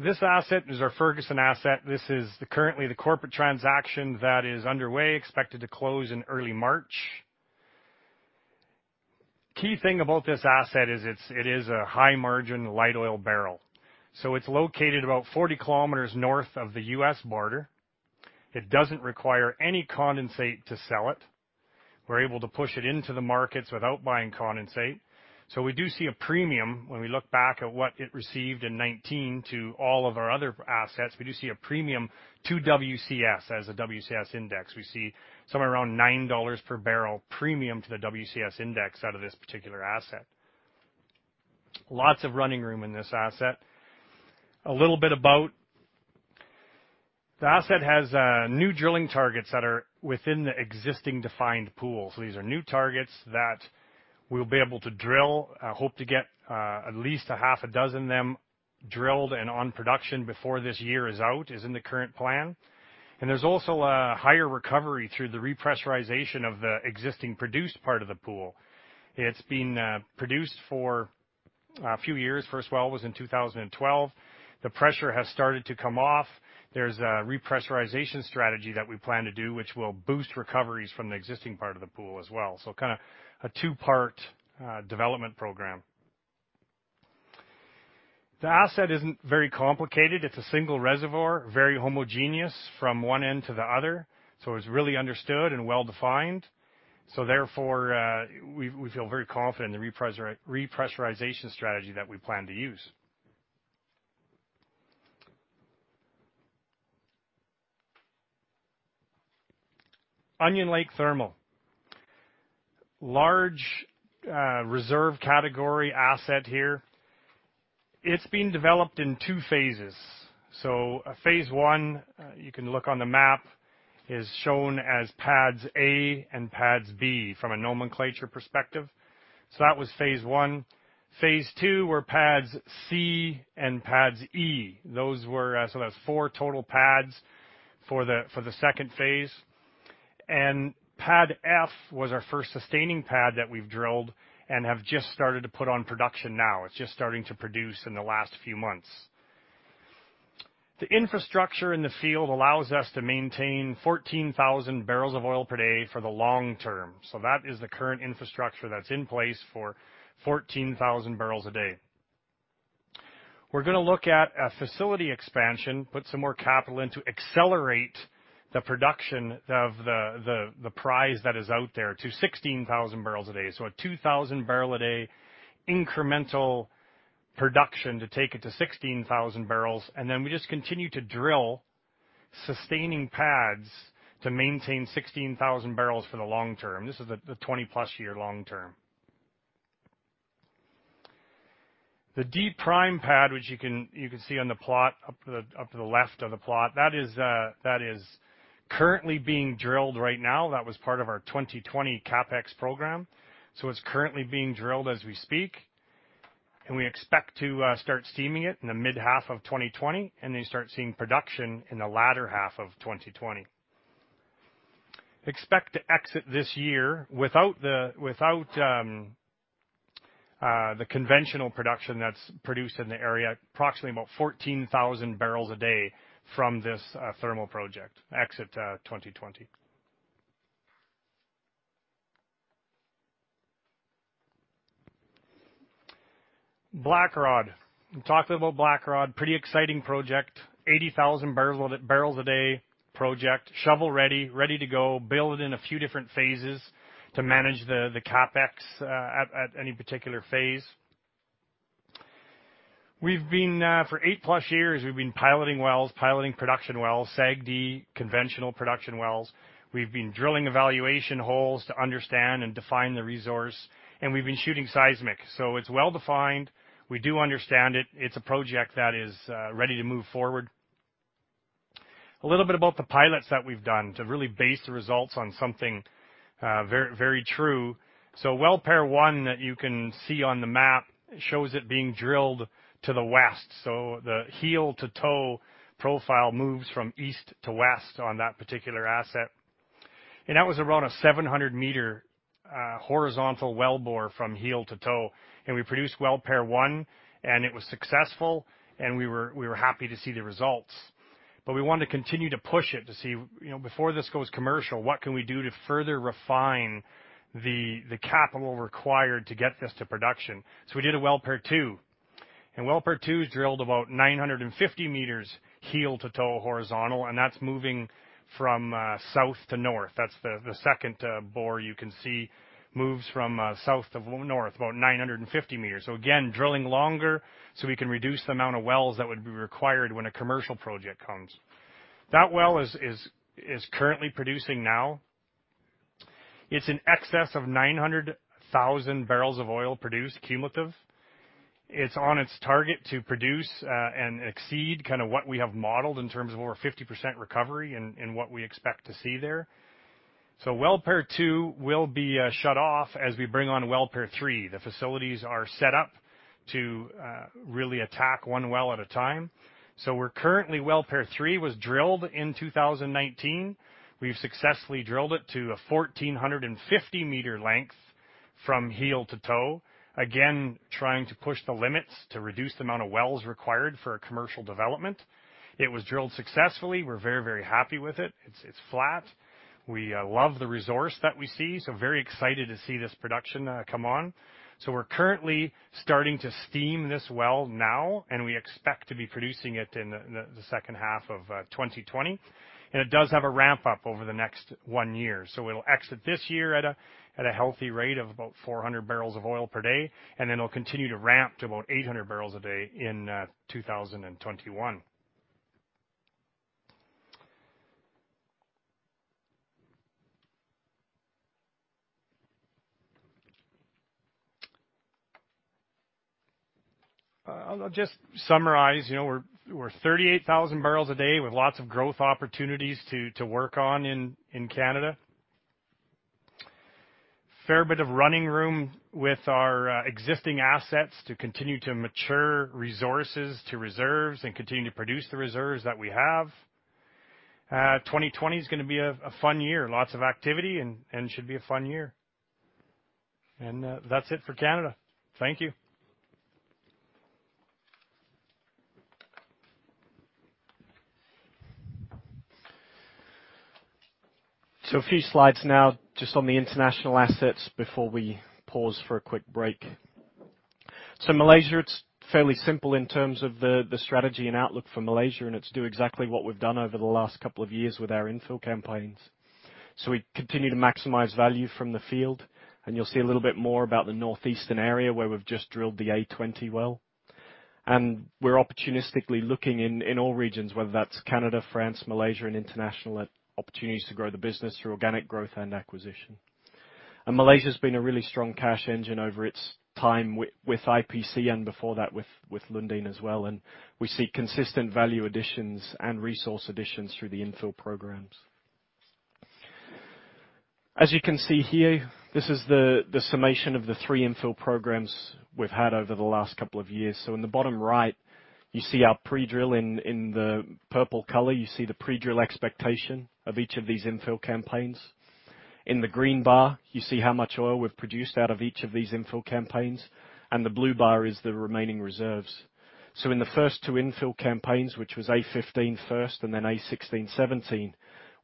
This asset is our Ferguson asset. This is currently the corporate transaction that is underway, expected to close in early March. Key thing about this asset is it is a high-margin, light oil barrel. It's located about 40 kilometers north of the U.S. border. It doesn't require any condensate to sell it. We're able to push it into the markets without buying condensate. We do see a premium. When we look back at what it received in 19 to all of our other assets, we do see a premium to WCS as a WCS index. We see somewhere around $9 per barrel premium to the WCS index out of this particular asset. Lots of running room in this asset. A little bit about the asset has new drilling targets that are within the existing defined pools. These are new targets that we'll be able to drill, hope to get at least a half a dozen of them drilled and on production before this year is out, is in the current plan. There's also a higher recovery through the repressurization of the existing produced part of the pool. It's been produced for a few years. First well was in 2012. The pressure has started to come off. There's a repressurization strategy that we plan to do, which will boost recoveries from the existing part of the pool as well. Kind of a two-part development program. The asset isn't very complicated. It's a single reservoir, very homogeneous from one end to the other, so it's really understood and well-defined. Therefore, we feel very confident in the repressurization strategy that we plan to use. Onion Lake Thermal. Large reserve category asset here. It's being developed in two phases. A phase one, you can look on the map, is shown as pads A and pads B from a nomenclature perspective. That was phase one. Phase two were pads C and pads E. Those were, that's four total pads for the second phase. Pad F was our first sustaining pad that we've drilled and have just started to put on production now. It's just starting to produce in the last few months. The infrastructure in the field allows us to maintain 14,000 barrels of oil per day for the long term. That is the current infrastructure that's in place for 14,000 barrels a day. We're gonna look at a facility expansion, put some more capital in to accelerate the production of the prize that is out there to 16,000 barrels a day. A 2,000 barrel a day incremental production to take it to 16,000 barrels, and then we just continue to drill sustaining pads to maintain 16,000 barrels for the long term. This is the 20-plus year long term. The D prime pad, which you can see on the plot, up to the left of the plot, that is currently being drilled right now. That was part of our 2020 CapEx program. It's currently being drilled as we speak, and we expect to start steaming it in the mid-half of 2020, and then start seeing production in the latter half of 2020. Expect to exit this year without the conventional production that's produced in the area, approximately about 14,000 barrels a day from this thermal project, exit 2020. Blackrod. We talked about Blackrod, pretty exciting project, 80,000 barrels a day project, shovel-ready, ready to go, build in a few different phases to manage the CapEx at any particular phase. For 8+ years, we've been piloting wells, piloting production wells, SAGD, conventional production wells. We've been drilling evaluation holes to understand and define the resource, we've been shooting seismic. It's well-defined. We do understand it. It's a project that is ready to move forward. A little bit about the pilots that we've done to really base the results on something very, very true. Well Pair one that you can see on the map, shows it being drilled to the west. The heel-to-toe profile moves from east to west on that particular asset. That was around a 700 meter horizontal well bore from heel to toe. We produced Well Pair one, and it was successful, and we were happy to see the results. We wanted to continue to push it to see, you know, before this goes commercial, what can we do to further refine the capital required to get this to production? We did a Well Pair two, and Well Pair two is drilled about 950 meters, heel to toe, horizontal, and that's moving from south to north. That's the second bore you can see, moves from south to north, about 950 meters. Again, drilling longer so we can reduce the amount of wells that would be required when a commercial project comes. That well is currently producing now. It's in excess of 900,000 barrels of oil produced, cumulative. It's on its target to produce and exceed kind of what we have modeled in terms of over 50% recovery in what we expect to see there. Well Pair two will be shut off as we bring on Well Pair three. The facilities are set up to really attack one well at a time. We're currently, Well Pair three was drilled in 2019. We've successfully drilled it to a 1,450-meter length from heel to toe. Again, trying to push the limits to reduce the amount of wells required for a commercial development. It was drilled successfully. We're very happy with it. It's flat. We love the resource that we see, very excited to see this production come on. We're currently starting to steam this well now, and we expect to be producing it in the second half of 2020. It does have a ramp-up over the next 1 year. It'll exit this year at a healthy rate of about 400 barrels of oil per day, then it'll continue to ramp to about 800 barrels a day in 2021. I'll just summarize. You know, we're 38,000 barrels a day with lots of growth opportunities to work on in Canada. Fair bit of running room with our existing assets to continue to mature resources to reserves and continue to produce the reserves that we have. 2020 is gonna be a fun year. Lots of activity and should be a fun year. That's it for Canada. Thank you. A few slides now, just on the international assets before we pause for a quick break. Malaysia, it's fairly simple in terms of the strategy and outlook for Malaysia, and it's do exactly what we've done over the last couple of years with our infill campaigns. We continue to maximize value from the field, and you'll see a little bit more about the northeastern area, where we've just drilled the A20 well. We're opportunistically looking in all regions, whether that's Canada, France, Malaysia, and international, at opportunities to grow the business through organic growth and acquisition. Malaysia's been a really strong cash engine over its time with IPC, and before that, with Lundin as well, and we see consistent value additions and resource additions through the infill programs. As you can see here, this is the summation of the 3 infill programs we've had over the last couple of years. In the bottom right, you see our pre-drill in the purple color. You see the pre-drill expectation of each of these infill campaigns. In the green bar, you see how much oil we've produced out of each of these infill campaigns, and the blue bar is the remaining reserves. In the first 2 infill campaigns, which was A15 first and then A16, 17,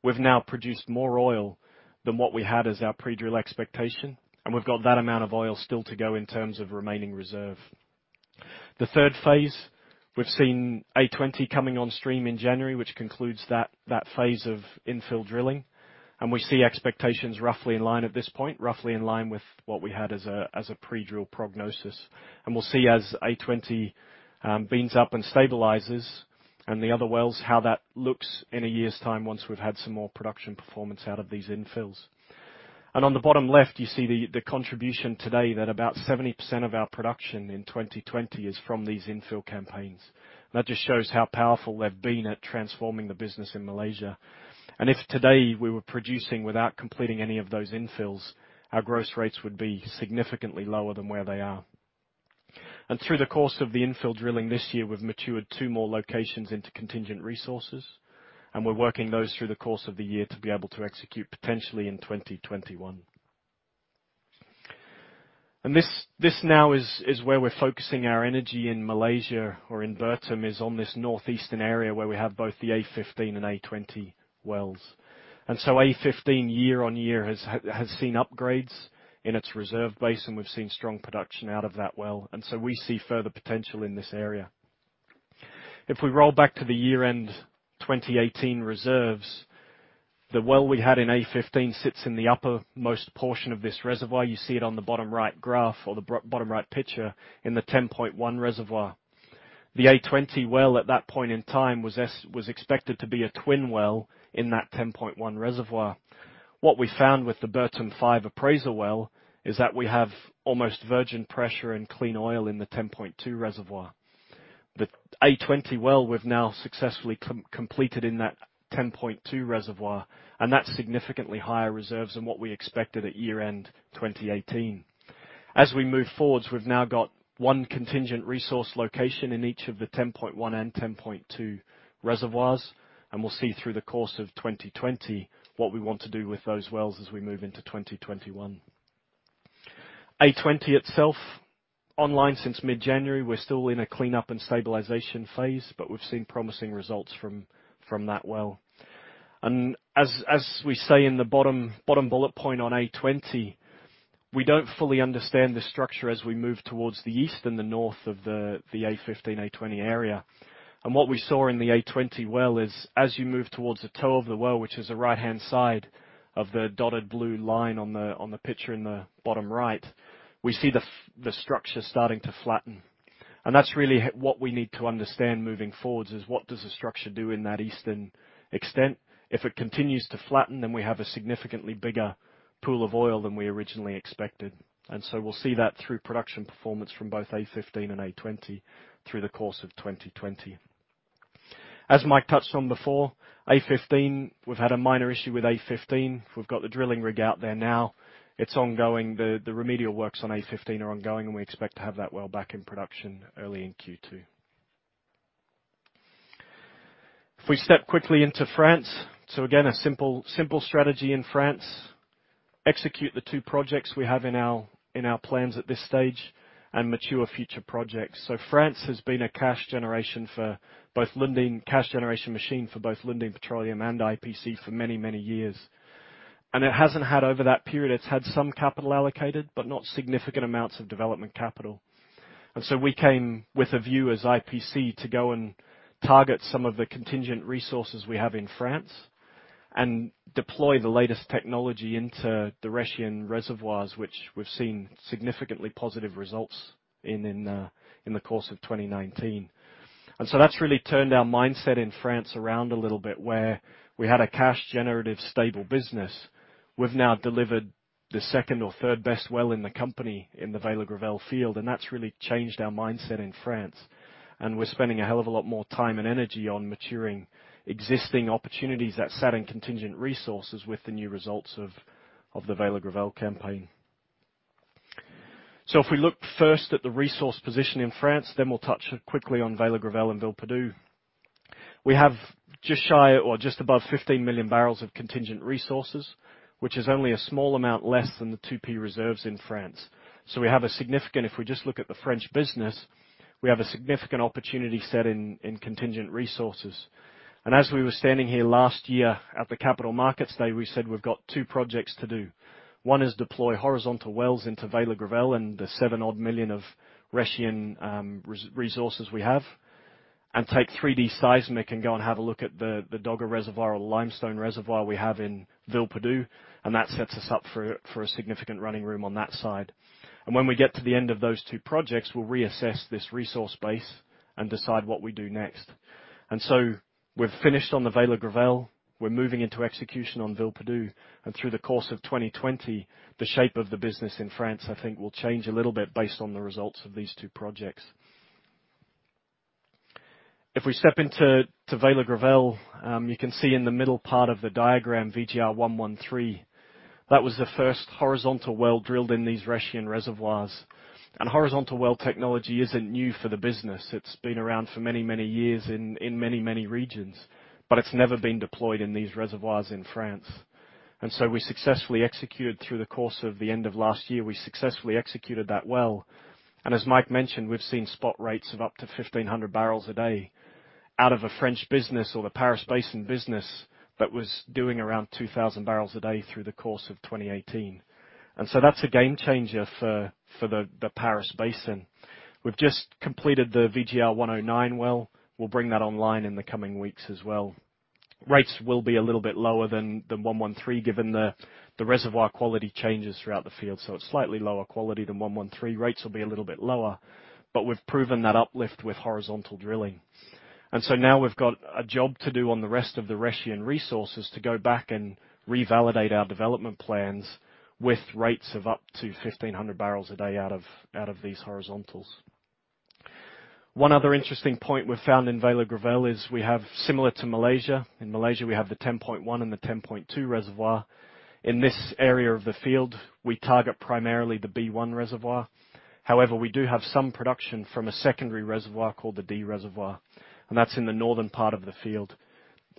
we've now produced more oil than what we had as our pre-drill expectation, and we've got that amount of oil still to go in terms of remaining reserve. The third phase, we've seen A20 coming on stream in January, which concludes that phase of infill drilling. We see expectations roughly in line at this point, roughly in line with what we had as a pre-drill prognosis. We'll see as A20 beans up and stabilizes and the other wells, how that looks in a year's time once we've had some more production performance out of these infills. On the bottom left, you see the contribution today that about 70% of our production in 2020 is from these infill campaigns. That just shows how powerful they've been at transforming the business in Malaysia. If today we were producing without completing any of those infills, our gross rates would be significantly lower than where they are. Through the course of the infill drilling this year, we've matured 2 more locations into contingent resources, and we're working those through the course of the year to be able to execute potentially in 2021. This now is where we're focusing our energy in Malaysia or in Bertam, is on this northeastern area, where we have both the A-15 and A-20 wells. A-15, year-on-year, has seen upgrades in its reserve base, and we've seen strong production out of that well, and so we see further potential in this area. If we roll back to the year-end 2018 reserves, the well we had in A-15 sits in the uppermost portion of this reservoir. You see it on the bottom right graph, or the bottom right picture in the 10.1 reservoir. The A-20 well, at that point in time, was expected to be a twin well in that 10.1 reservoir. What we found with the Bertam five appraisal well is that we have almost virgin pressure and clean oil in the 10.2 reservoir. The A-20 well, we've now successfully completed in that 10.2 reservoir. That's significantly higher reserves than what we expected at year-end 2018. As we move forwards, we've now got one contingent resource location in each of the 10.1 and 10.2 reservoirs. We'll see through the course of 2020 what we want to do with those wells as we move into 2021. A-20 itself, online since mid-January. We're still in a cleanup and stabilization phase, but we've seen promising results from that well. As we say in the bottom bullet point on A-20, we don't fully understand the structure as we move towards the east and the north of the A-15, A-20 area. What we saw in the A-20 well is, as you move towards the toe of the well, which is the right-hand side of the dotted blue line on the, on the picture in the bottom right, we see the structure starting to flatten. That's really what we need to understand moving forwards is, what does the structure do in that eastern extent? If it continues to flatten, then we have a significantly bigger pool of oil than we originally expected, and so we'll see that through production performance from both A-15 and A-20 through the course of 2020. As Mike touched on before, A-15, we've had a minor issue with A-15. We've got the drilling rig out there now. It's ongoing. The remedial works on A-15 are ongoing. We expect to have that well back in production early in Q2. If we step quickly into France, again, a simple strategy in France: execute the two projects we have in our plans at this stage and mature future projects. France has been a cash generation machine for both Lundin Petroleum and IPC for many, many years. Over that period, it's had some capital allocated, but not significant amounts of development capital. We came with a view as IPC to go and target some of the contingent resources we have in France and deploy the latest technology into the Rhaetian reservoirs, which we've seen significantly positive results in the course of 2019. That's really turned our mindset in France around a little bit, where we had a cash-generative, stable business. We've now delivered the second or third best well in the company in the Vert-la-Gravelle field, and that's really changed our mindset in France. We're spending a hell of a lot more time and energy on maturing existing opportunities that sat in contingent resources with the new results of the Vert-la-Gravelle campaign. If we look first at the resource position in France, then we'll touch quickly on Vert-la-Gravelle and Villeperdue. We have just shy or just above 15 million barrels of contingent resources, which is only a small amount less than the 2P reserves in France. We have a significant opportunity set in contingent resources. As we were standing here last year at the Capital Markets Day, we said we've got two projects to do. One is deploy horizontal wells into Vert-la-Gravelle and the 7 million of Rhaetian resources we have, and take 3D seismic and go and have a look at the Dogger reservoir or limestone reservoir we have in Villeperdue, and that sets us up for a significant running room on that side. When we get to the end of those two projects, we'll reassess this resource base and decide what we do next. We've finished on the Vert-la-Gravelle. We're moving into execution on Villeperdue, through the course of 2020, the shape of the business in France, I think, will change a little bit based on the results of these two projects. If we step to Vert-la-Gravelle, you can see in the middle part of the diagram, VGR-113. That was the first horizontal well drilled in these Rhaetian reservoirs. Horizontal well technology isn't new for the business. It's been around for many, many years in many, many regions, it's never been deployed in these reservoirs in France. We successfully executed, through the course of the end of last year, we successfully executed that well. As Mike mentioned, we've seen spot rates of up to 1,500 barrels a day out of a French business or the Paris Basin business that was doing around 2,000 barrels a day through the course of 2018. That's a game changer for the Paris Basin. We've just completed the VGR-109 well. We'll bring that online in the coming weeks as well. Rates will be a little bit lower than 113, given the reservoir quality changes throughout the field, so it's slightly lower quality than 113. Rates will be a little bit lower, but we've proven that uplift with horizontal drilling. Now we've got a job to do on the rest of the Rhaetian resources to go back and revalidate our development plans with rates of up to 1,500 barrels a day out of these horizontals. One other interesting point we found in Villeperdue project is we have, similar to Malaysia, in Malaysia, we have the 10.1 and the 10.2 reservoir. In this area of the field, we target primarily the B 1 reservoir. However, we do have some production from a secondary reservoir called the D reservoir, and that's in the northern part of the field.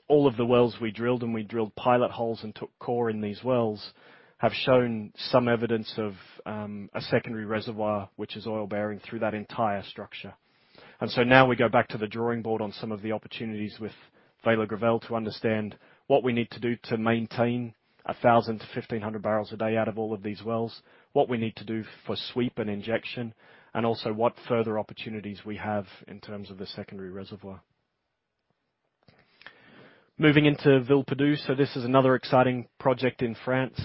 All of the wells we drilled, and we drilled pilot holes and took core in these wells, have shown some evidence of a secondary reservoir, which is oil-bearing through that entire structure. Now we go back to the drawing board on some of the opportunities with Villeperdue project to understand what we need to do to maintain 1,000-1,500 barrels a day out of all of these wells, what we need to do for sweep and injection, and also what further opportunities we have in terms of the secondary reservoir. Moving into Villeperdue, this is another exciting project in France.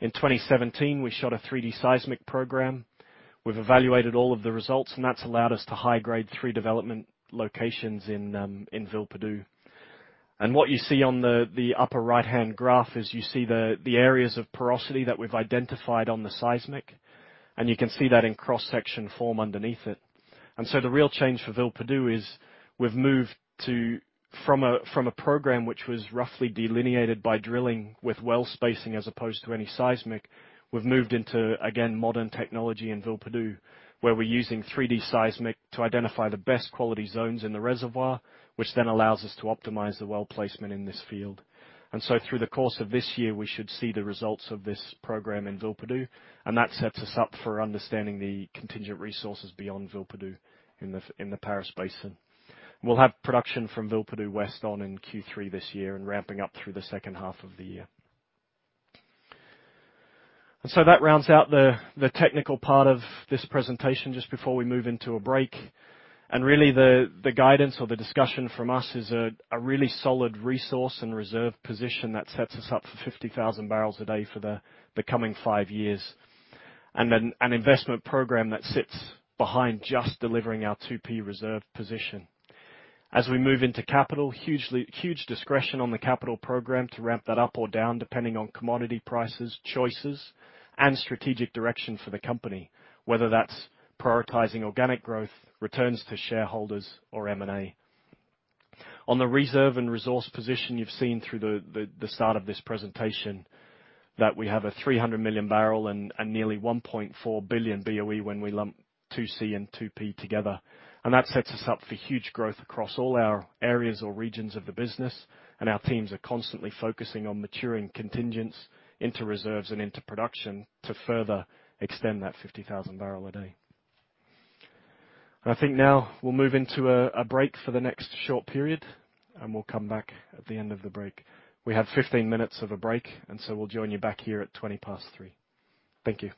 In 2017, we shot a 3-D seismic program. We've evaluated all of the results, and that's allowed us to high-grade 3 development locations in Villeperdue. What you see on the upper right-hand graph is you see the areas of porosity that we've identified on the seismic, and you can see that in cross-section form underneath it. The real change for Villeperdue is we've moved to... From a program which was roughly delineated by drilling with well spacing as opposed to any seismic, we've moved into, again, modern technology in Villeperdue, where we're using 3D seismic to identify the best quality zones in the reservoir, which then allows us to optimize the well placement in this field. Through the course of this year, we should see the results of this program in Villeperdue, and that sets us up for understanding the contingent resources beyond Villeperdue in the, in the Paris Basin. We'll have production from Villeperdue West on in Q3 this year and ramping up through the second half of the year. That rounds out the technical part of this presentation just before we move into a break. Really, the guidance or the discussion from us is a really solid resource and reserve position that sets us up for 50,000 barrels a day for the coming five years, and then an investment program that sits behind just delivering our 2P reserve position. As we move into capital, huge discretion on the capital program to ramp that up or down, depending on commodity prices, choices, and strategic direction for the company, whether that's prioritizing organic growth, returns to shareholders, or M&A. On the reserve and resource position, you've seen through the start of this presentation that we have a 300 million barrel and nearly 1.4 billion BOE when we lump 2C and 2P together. That sets us up for huge growth across all our areas or regions of the business, and our teams are constantly focusing on maturing contingents into reserves and into production to further extend that 50,000 barrel a day. I think now we'll move into a break for the next short period, and we'll come back at the end of the break. We have 15 minutes of a break, we'll join you back here at 3:20 P.M. Thank you.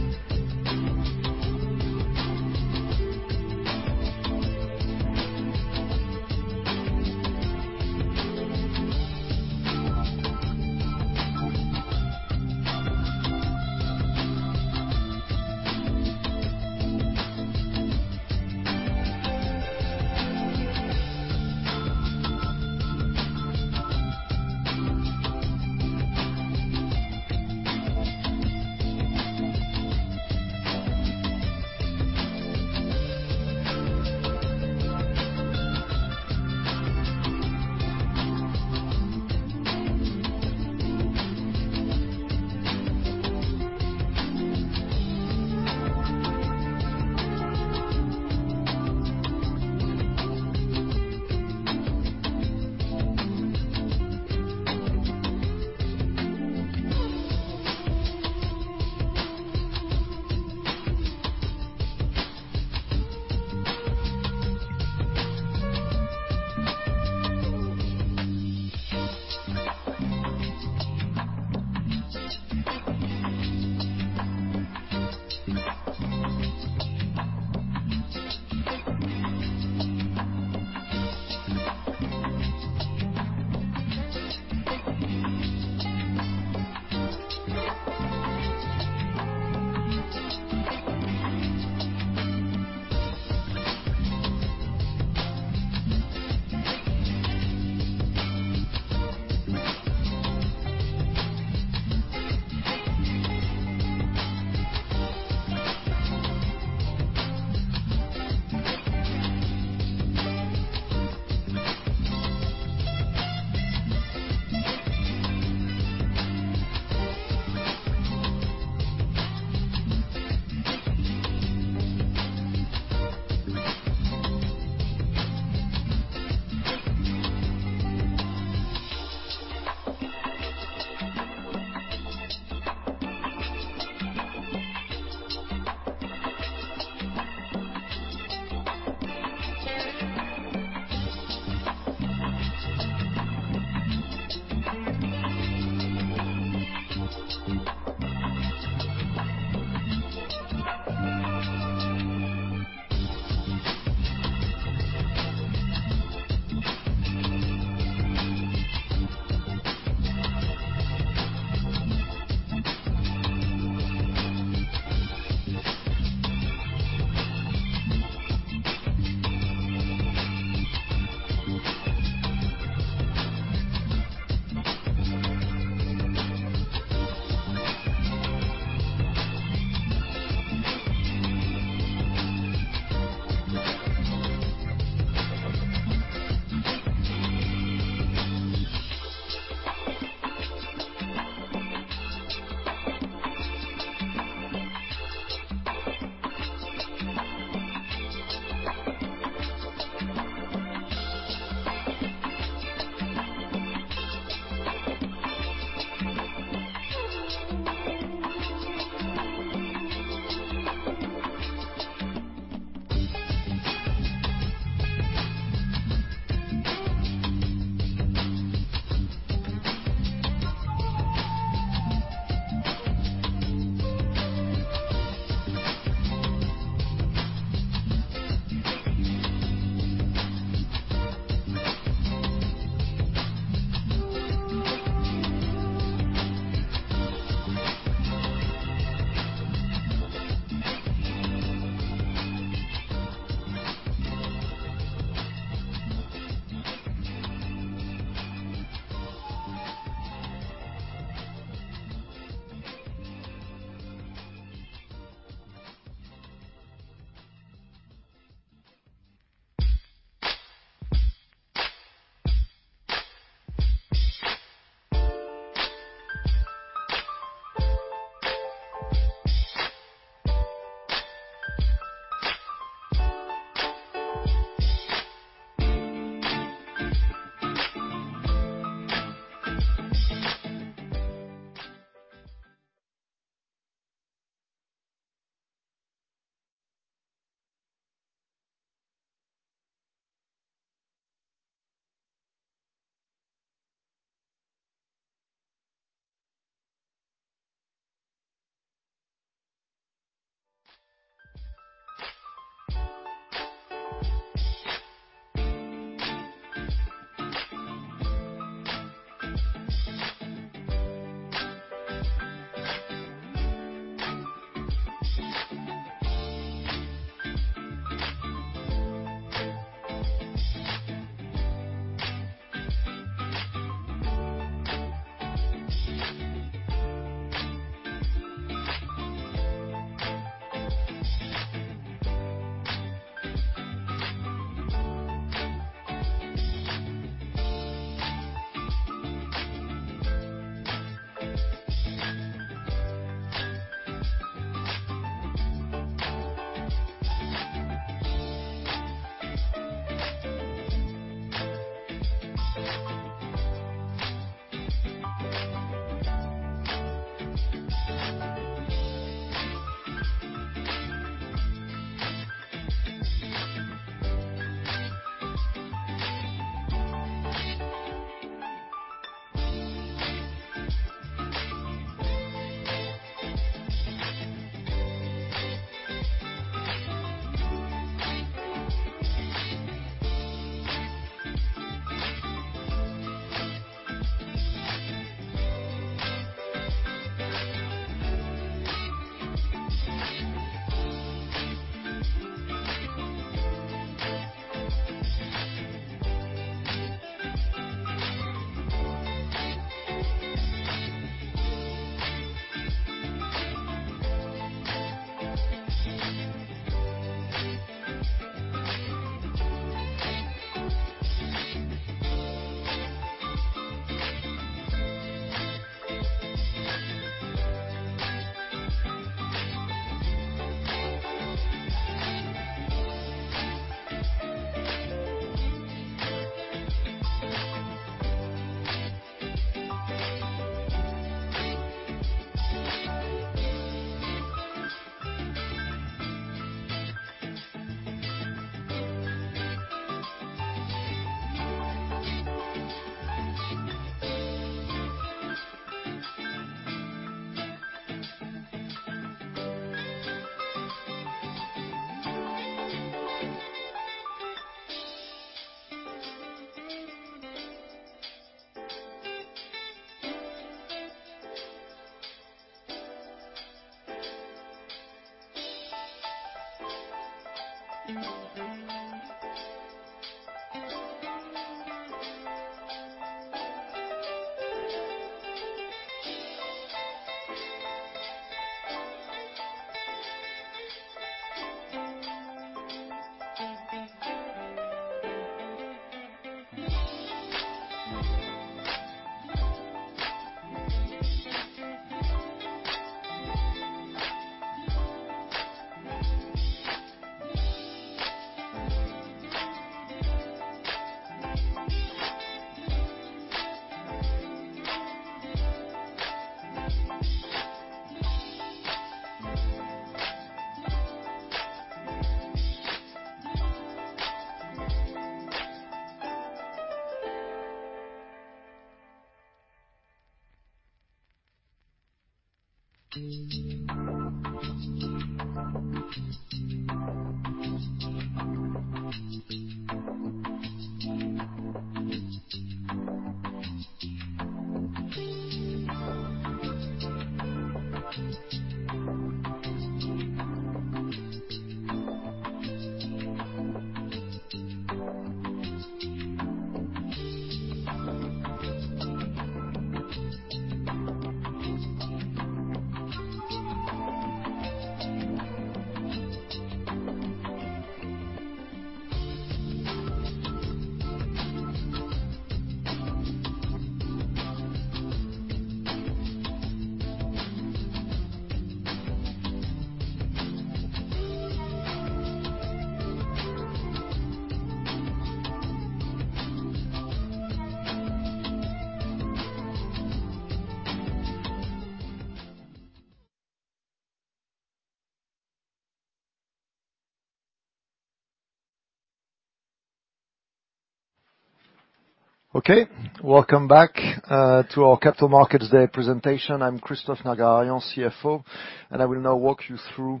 Welcome back to our Capital Markets Day presentation. I'm Christophe Nerguararian, CFO, I will now walk you through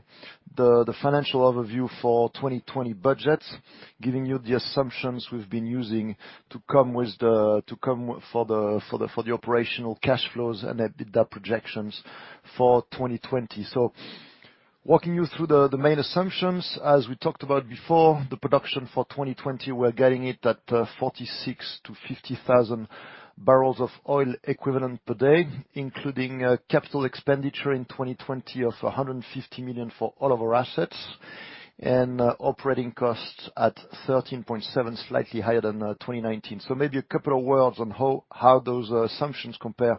the financial overview for 2020 budgets, giving you the assumptions we've been using to come with for the operational cash flows and EBITDA projections for 2020. Walking you through the main assumptions, as we talked about before, the production for 2020, we're getting it at 46,000-50,000 barrels of oil equivalent per day, including capital expenditure in 2020 of $150 million for all of our assets, operating costs at $13.7, slightly higher than 2019. Maybe a couple of words on how those assumptions compare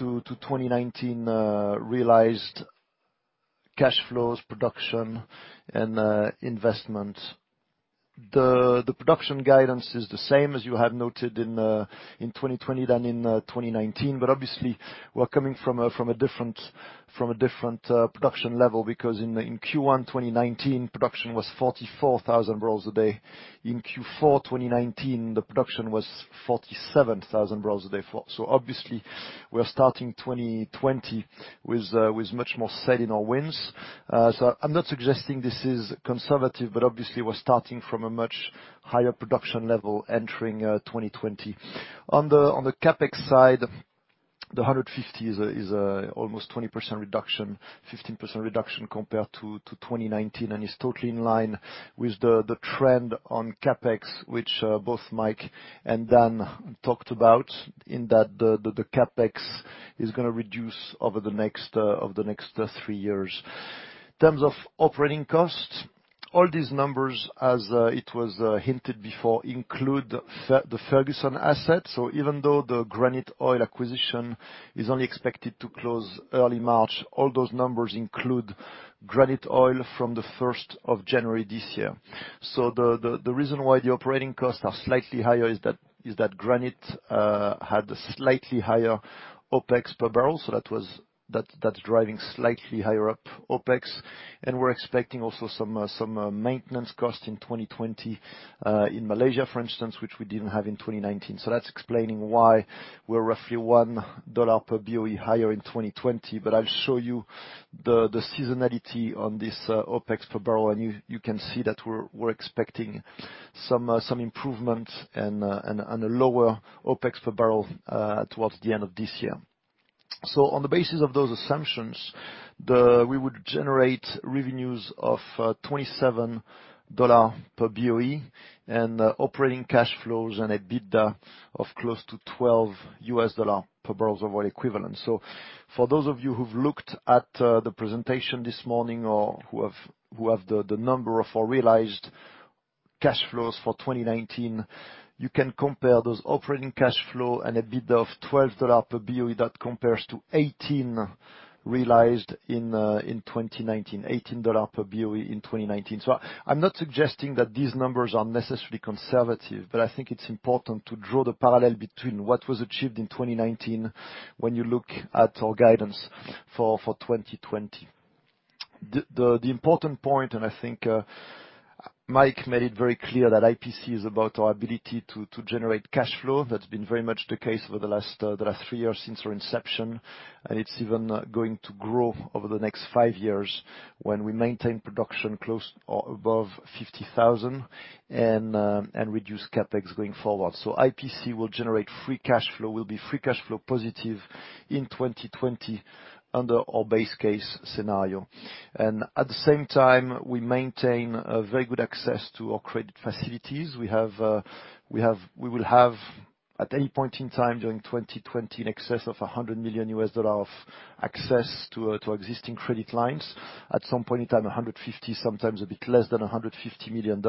to 2019 realized cash flows, production, and investment. The production guidance is the same as you had noted in 2020 than in 2019. Obviously, we're coming from a different production level, because in Q1 2019, production was 44,000 barrels a day. In Q4 2019, the production was 47,000 barrels a day for. Obviously, we are starting 2020 with much more sail in our winds. so I'm not suggesting this is conservative, but obviously we're starting from a much higher production level entering 2020. On the CapEx side, the 150 is almost 20% reduction, 15% reduction compared to 2019. Is totally in line with the trend on CapEx, which both Mike and Dan talked about, in that the CapEx is gonna reduce over the next 3 years. In terms of operating costs, all these numbers, as it was hinted before, include the Ferguson assets. Even though the Granite Oil acquisition is only expected to close early March, all those numbers include Granite Oil from the 1st of January this year. The reason why the operating costs are slightly higher is that Granite had a slightly higher OpEx per barrel, that's driving slightly higher up OpEx. We're expecting also some maintenance costs in 2020 in Malaysia, for instance, which we didn't have in 2019. That's explaining why we're roughly $1 per BOE higher in 2020. I'll show you the seasonality on this OpEx per barrel, and you can see that we're expecting some improvement and a lower OpEx per barrel towards the end of this year. On the basis of those assumptions, we would generate revenues of $27 per BOE and operating cash flows and EBITDA of close to $12 per barrels of oil equivalent. For those of you who've looked at the presentation this morning or who have the number of our realized cash flows for 2019, you can compare those operating cash flow and EBITDA of $12 per BOE. That compares to $18 realized in 2019, $18 per BOE in 2019. I'm not suggesting that these numbers are necessarily conservative, but I think it's important to draw the parallel between what was achieved in 2019 when you look at our guidance for 2020. The important point, and I think Mike made it very clear, that IPC is about our ability to generate cash flow. That's been very much the case over the last, the last three years since our inception, and it's even going to grow over the next five years when we maintain production close or above 50,000, and reduce CapEx going forward. IPC will generate free cash flow, will be free cash flow positive in 2020 under our base case scenario. At the same time, we maintain a very good access to our credit facilities. We have, we will have, at any point in time during 2020, in excess of $100 million of access to existing credit lines. At some point in time, $150 million, sometimes a bit less than $150 million.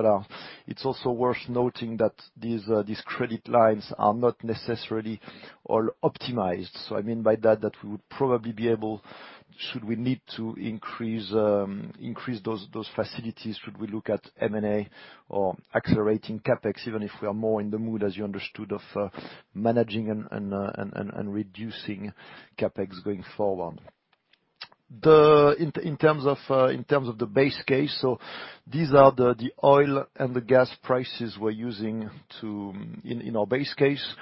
It's also worth noting that these credit lines are not necessarily all optimized. I mean by that we would probably be able, should we need to increase those facilities, should we look at M&A or accelerating CapEx, even if we are more in the mood, as you understood, of managing and reducing CapEx going forward. In terms of the base case, these are the oil and the gas prices we're using in our base case.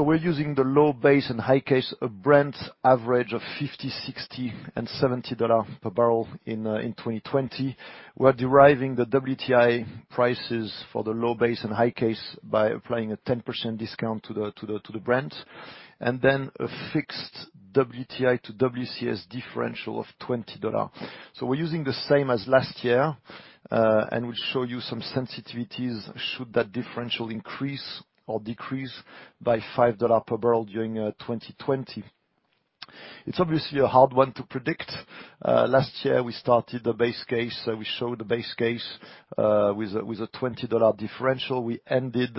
We're using the low base and high case, a Brent average of $50, $60, and $70 per barrel in 2020. We're deriving the WTI prices for the low base and high case by applying a 10% discount to the Brent, and then a fixed WTI to WCS differential of $20. We're using the same as last year, and we'll show you some sensitivities should that differential increase or decrease by $5 per barrel during 2020. It's obviously a hard one to predict. Last year, we started the base case, we showed the base case with a $20 differential. We ended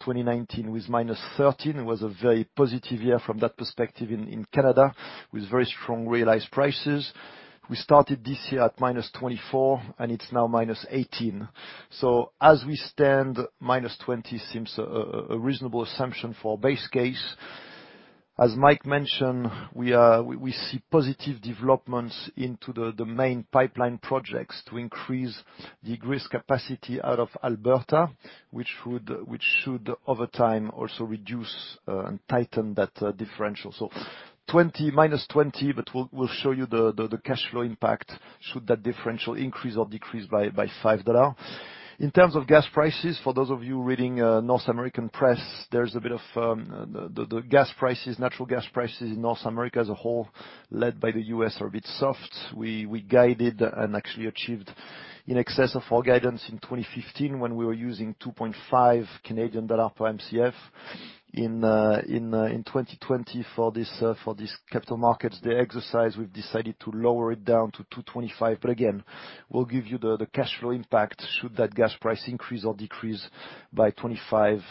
2019 with -13. It was a very positive year from that perspective in Canada, with very strong realized prices. We started this year at -24, and it's now -18. As we stand, -20 seems a reasonable assumption for our base case. As Mike mentioned, we see positive developments into the main pipeline projects to increase the grease capacity out of Alberta, which should, over time, also reduce and tighten that differential. Twenty, minus 20, but we'll show you the cash flow impact should that differential increase or decrease by $5. In terms of gas prices, for those of you reading North American press, there's a bit of the gas prices, natural gas prices in North America as a whole, led by the U.S., are a bit soft. We guided and actually achieved in excess of our guidance in 2015, when we were using 2.5 Canadian dollar per Mcf. In 2020 for this, for this capital markets, the exercise, we've decided to lower it down to 2.25, but again, we'll give you the cash flow impact should that gas price increase or decrease by 0.25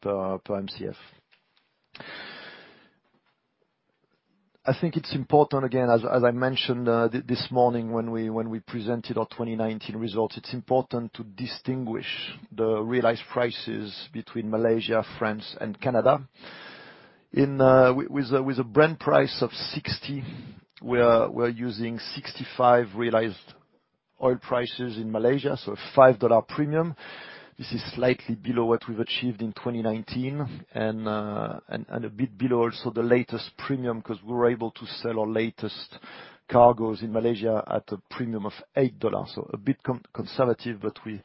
per Mcf. I think it's important, again, as I mentioned, this morning when we, when we presented our 2019 results, it's important to distinguish the realized prices between Malaysia, France, and Canada. In, with a, with a Brent price of 60, we are, we're using 65 realized oil prices in Malaysia, so a $5 premium. This is slightly below what we've achieved in 2019, and a bit below also the latest premium, 'cause we were able to sell our latest cargos in Malaysia at a premium of $8. A bit conservative, but we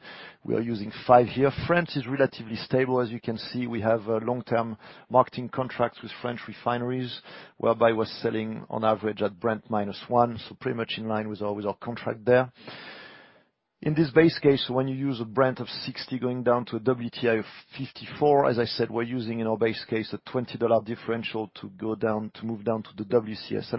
are using 5 here. France is relatively stable. As you can see, we have long-term marketing contracts with French refineries, whereby we're selling on average at Brent minus 1, pretty much in line with our, with our contract there. In this base case, when you use a Brent of 60 going down to a WTI of 54, as I said, we're using, in our base case, a $20 differential to go down, to move down to the WCS.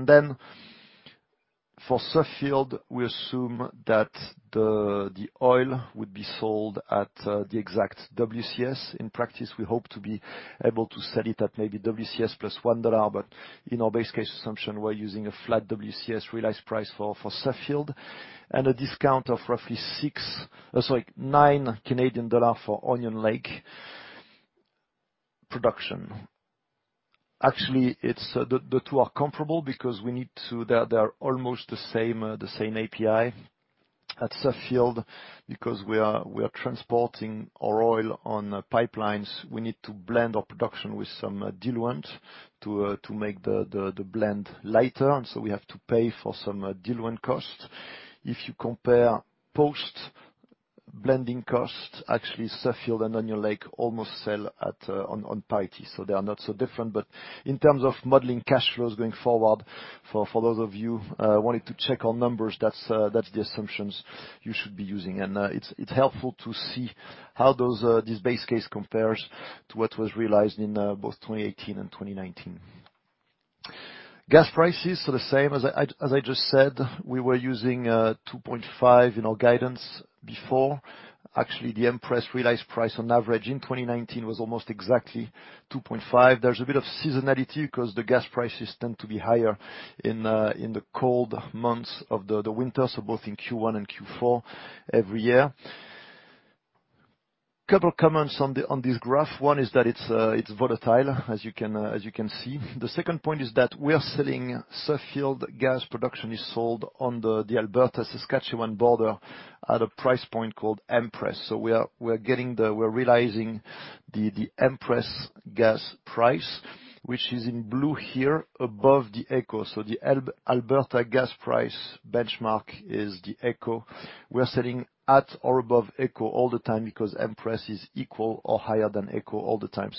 For Suffield, we assume that the oil would be sold at the exact WCS. In practice, we hope to be able to sell it at maybe WCS plus $1, but in our base case assumption, we're using a flat WCS realized price for Suffield, and a discount of roughly six, sorry, 9 Canadian dollars for Onion Lake production. Actually, it's the two are comparable because they are almost the same API at Suffield. Because we are transporting our oil on pipelines, we need to blend our production with some diluent to make the blend lighter, and so we have to pay for some diluent costs. If you compare post-blending costs, actually, Suffield and Onion Lake almost sell at on parity, so they are not so different. In terms of modeling cash flows going forward, for those of you wanting to check our numbers, that's the assumptions you should be using. It's helpful to see how those this base case compares to what was realized in both 2018 and 2019. Gas prices, the same as I just said, we were using 2.5 in our guidance before. Actually, the Empress realized price on average in 2019 was almost exactly 2.5. There's a bit of seasonality, because the gas prices tend to be higher in the cold months of the winter, both in Q1 and Q4 every year. Couple comments on this graph. One is that it's volatile, as you can see. The second point is that Suffield gas production is sold on the Alberta/Saskatchewan border at a price point called Empress. We're realizing the Empress gas price, which is in blue here above the AECO. The Alberta gas price benchmark is the AECO. We're selling at or above AECO all the time, because Empress is equal to or higher than AECO all the time.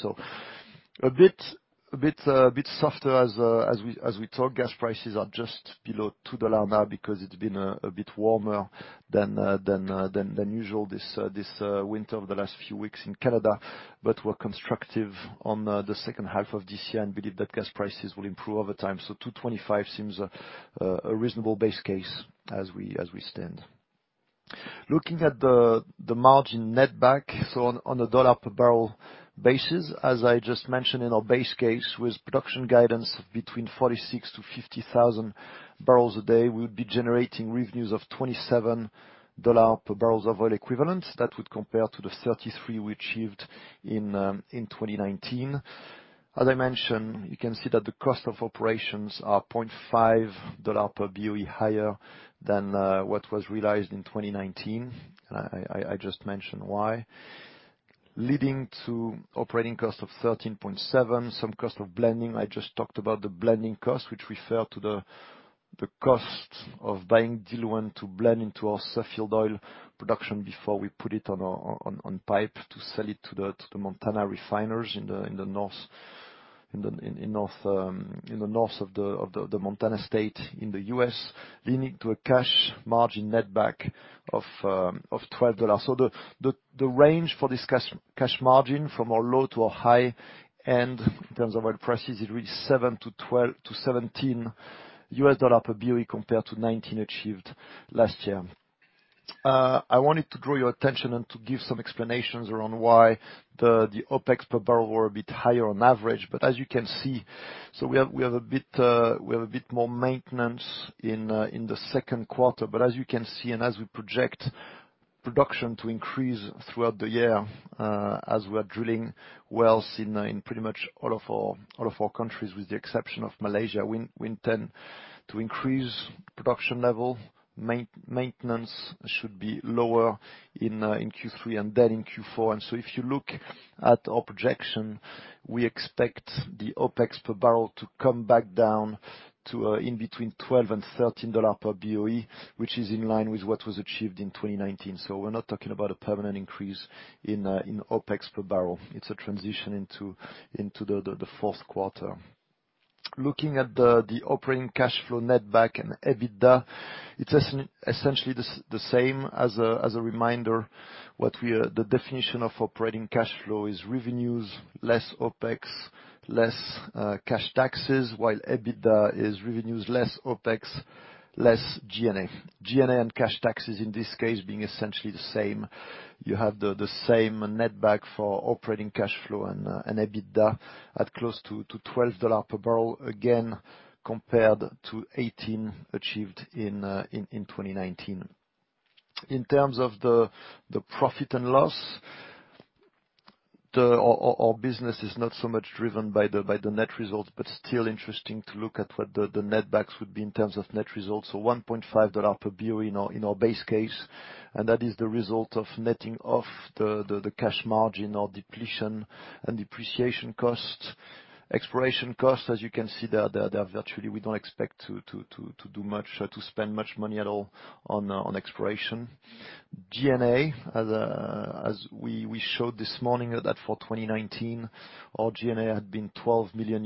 A bit softer as we talk. Gas prices are just below $2 now, because it's been a bit warmer than usual this winter over the last few weeks in Canada. We're constructive on the second half of this year and believe that gas prices will improve over time. $2.25 seems a reasonable base case as we stand. Looking at the margin net back, on a dollar-per-barrel basis, as I just mentioned in our base case, with production guidance between 46,000-50,000 barrels a day, we'll be generating revenues of $27 per barrels of oil equivalents. That would compare to the 33 we achieved in 2019. As I mentioned, you can see that the cost of operations are $0.5 per BOE higher than what was realized in 2019. I just mentioned why. Leading to operating cost of $13.7, some cost of blending. I just talked about the blending cost, which refer to the cost of buying diluent to blend into our Villeperdue oil production before we put it on our pipe, to sell it to the Montana refiners in the north, in the north of the Montana State, in the U.S., leading to a cash margin netback of $12. The range for this cash margin from our low to our high end, in terms of oil prices, is really $7-$17 per BOE, compared to 19 achieved last year. I wanted to draw your attention and to give some explanations around why the OpEx per barrel were a bit higher on average, but as you can see, we have a bit more maintenance in the Q2. As you can see, and as we project production to increase throughout the year, as we are drilling wells in pretty much all of our countries, with the exception of Malaysia, we intend to increase production level. Maintenance should be lower in Q3 and then in Q4. If you look at our projection, we expect the OpEx per barrel to come back down to in between $12 and $13 per BOE, which is in line with what was achieved in 2019. We're not talking about a permanent increase in OpEx per barrel. It's a transition into the Q4. Looking at the operating cash flow net back and EBITDA, it's essentially the same. As a reminder, the definition of operating cash flow is revenues, less OpEx, less cash taxes, while EBITDA is revenues less OpEx, less G&A. G&A and cash taxes, in this case, being essentially the same. You have the same netback for operating cash flow and EBITDA at close to $12 per barrel, again, compared to 18 achieved in 2019. In terms of the profit and loss, our business is not so much driven by the net results, but still interesting to look at what the netbacks would be in terms of net results. $1.5 per BOE in our base case, and that is the result of netting off the cash margin or depletion and depreciation costs. Exploration costs, as you can see, they are virtually. We don't expect to do much, to spend much money at all on exploration. G&A, as we showed this morning, that for 2019, our G&A had been $12 million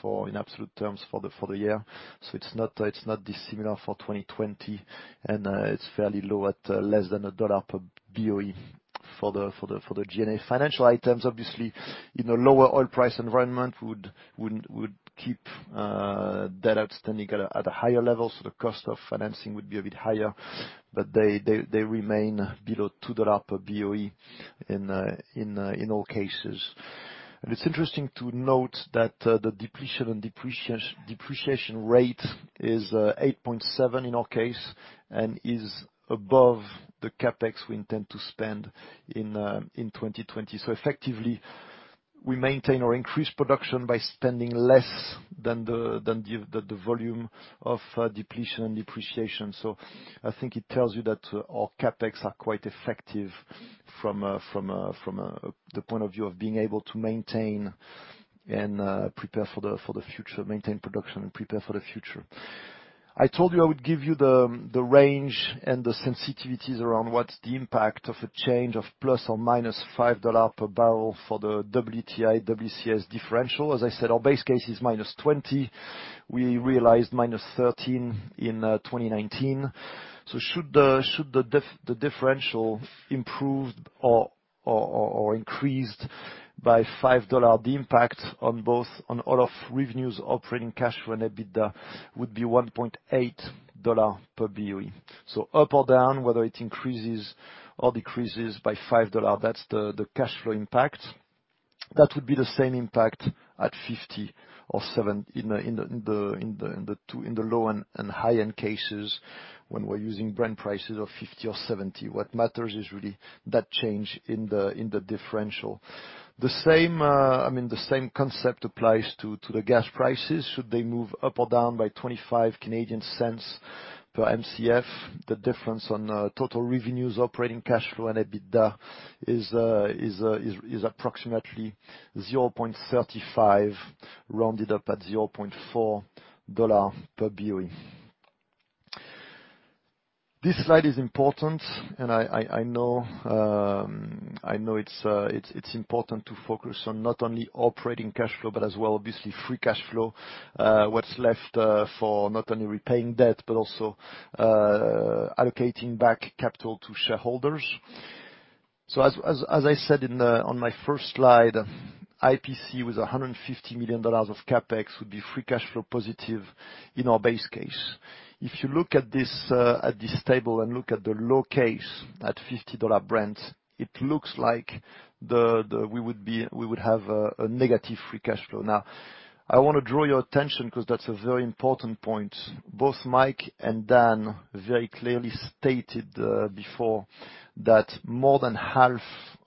for, in absolute terms, for the year. It's not dissimilar for 2020, and it's fairly low, at less than $1 per BOE for the G&A. Financial items, obviously, in a lower oil price environment, would keep debt outstanding at a higher level, so the cost of financing would be a bit higher. They remain below $2 per BOE in all cases. It's interesting to note that the depletion and depreciation rate is 8.7 in our case, and is above the CapEx we intend to spend in 2020. Effectively, we maintain or increase production by spending less than the volume of depletion and depreciation. I think it tells you that our CapEx are quite effective from the point of view of being able to maintain and prepare for the future, maintain production and prepare for the future. I told you I would give you the range and the sensitivities around what's the impact of a change of ±$5 per barrel for the WTI, WCS differential. I said, our base case is -$20. We realized -$13 in 2019. Should the differential improved or increased by $5, the impact on both, on all of revenues, operating cash flow, and EBITDA would be $1.8 per BOE. Up or down, whether it increases or decreases by $5, that's the cash flow impact. That would be the same impact at 50 or 7, in the two, in the low and high-end cases, when we're using Brent prices of 50 or 70. What matters is really that change in the differential. The same, I mean, the same concept applies to the gas prices. Should they move up or down by 25 Canadian cents per Mcf, the difference on total revenues, operating cash flow, and EBITDA is approximately $0.35, rounded up at $0.4 per BOE. This slide is important, and I know it's important to focus on not only operating cash flow, but as well, obviously, free cash flow. What's left for not only repaying debt, but also allocating back capital to shareholders. As I said on my first slide, IPC with $150 million of CapEx would be free cash flow positive in our base case. If you look at this, at this table and look at the low case, at $50 Brent, it looks like we would be, we would have a negative free cash flow. I want to draw your attention, because that's a very important point. Both Mike and Dan very clearly stated, before that more than half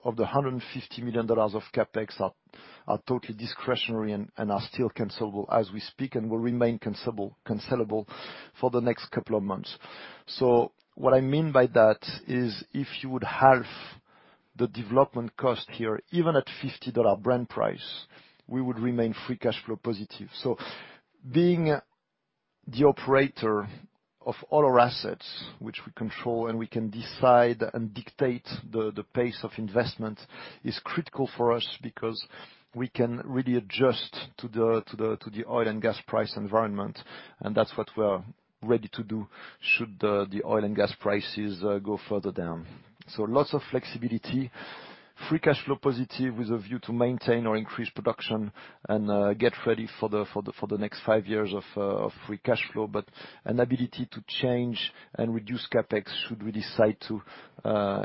of the $150 million of CapEx are totally discretionary and are still cancellable as we speak and will remain cancellable for the next couple of months. What I mean by that is, if you would halve the development cost here, even at $50 Brent price, we would remain free cash flow positive. Being the operator of all our assets, which we control, and we can decide and dictate the pace of investment, is critical for us because we can really adjust to the oil and gas price environment. That's what we are ready to do should the oil and gas prices go further down. Lots of flexibility, free cash flow positive, with a view to maintain or increase production and get ready for the next five years of free cash flow, but an ability to change and reduce CapEx should we decide to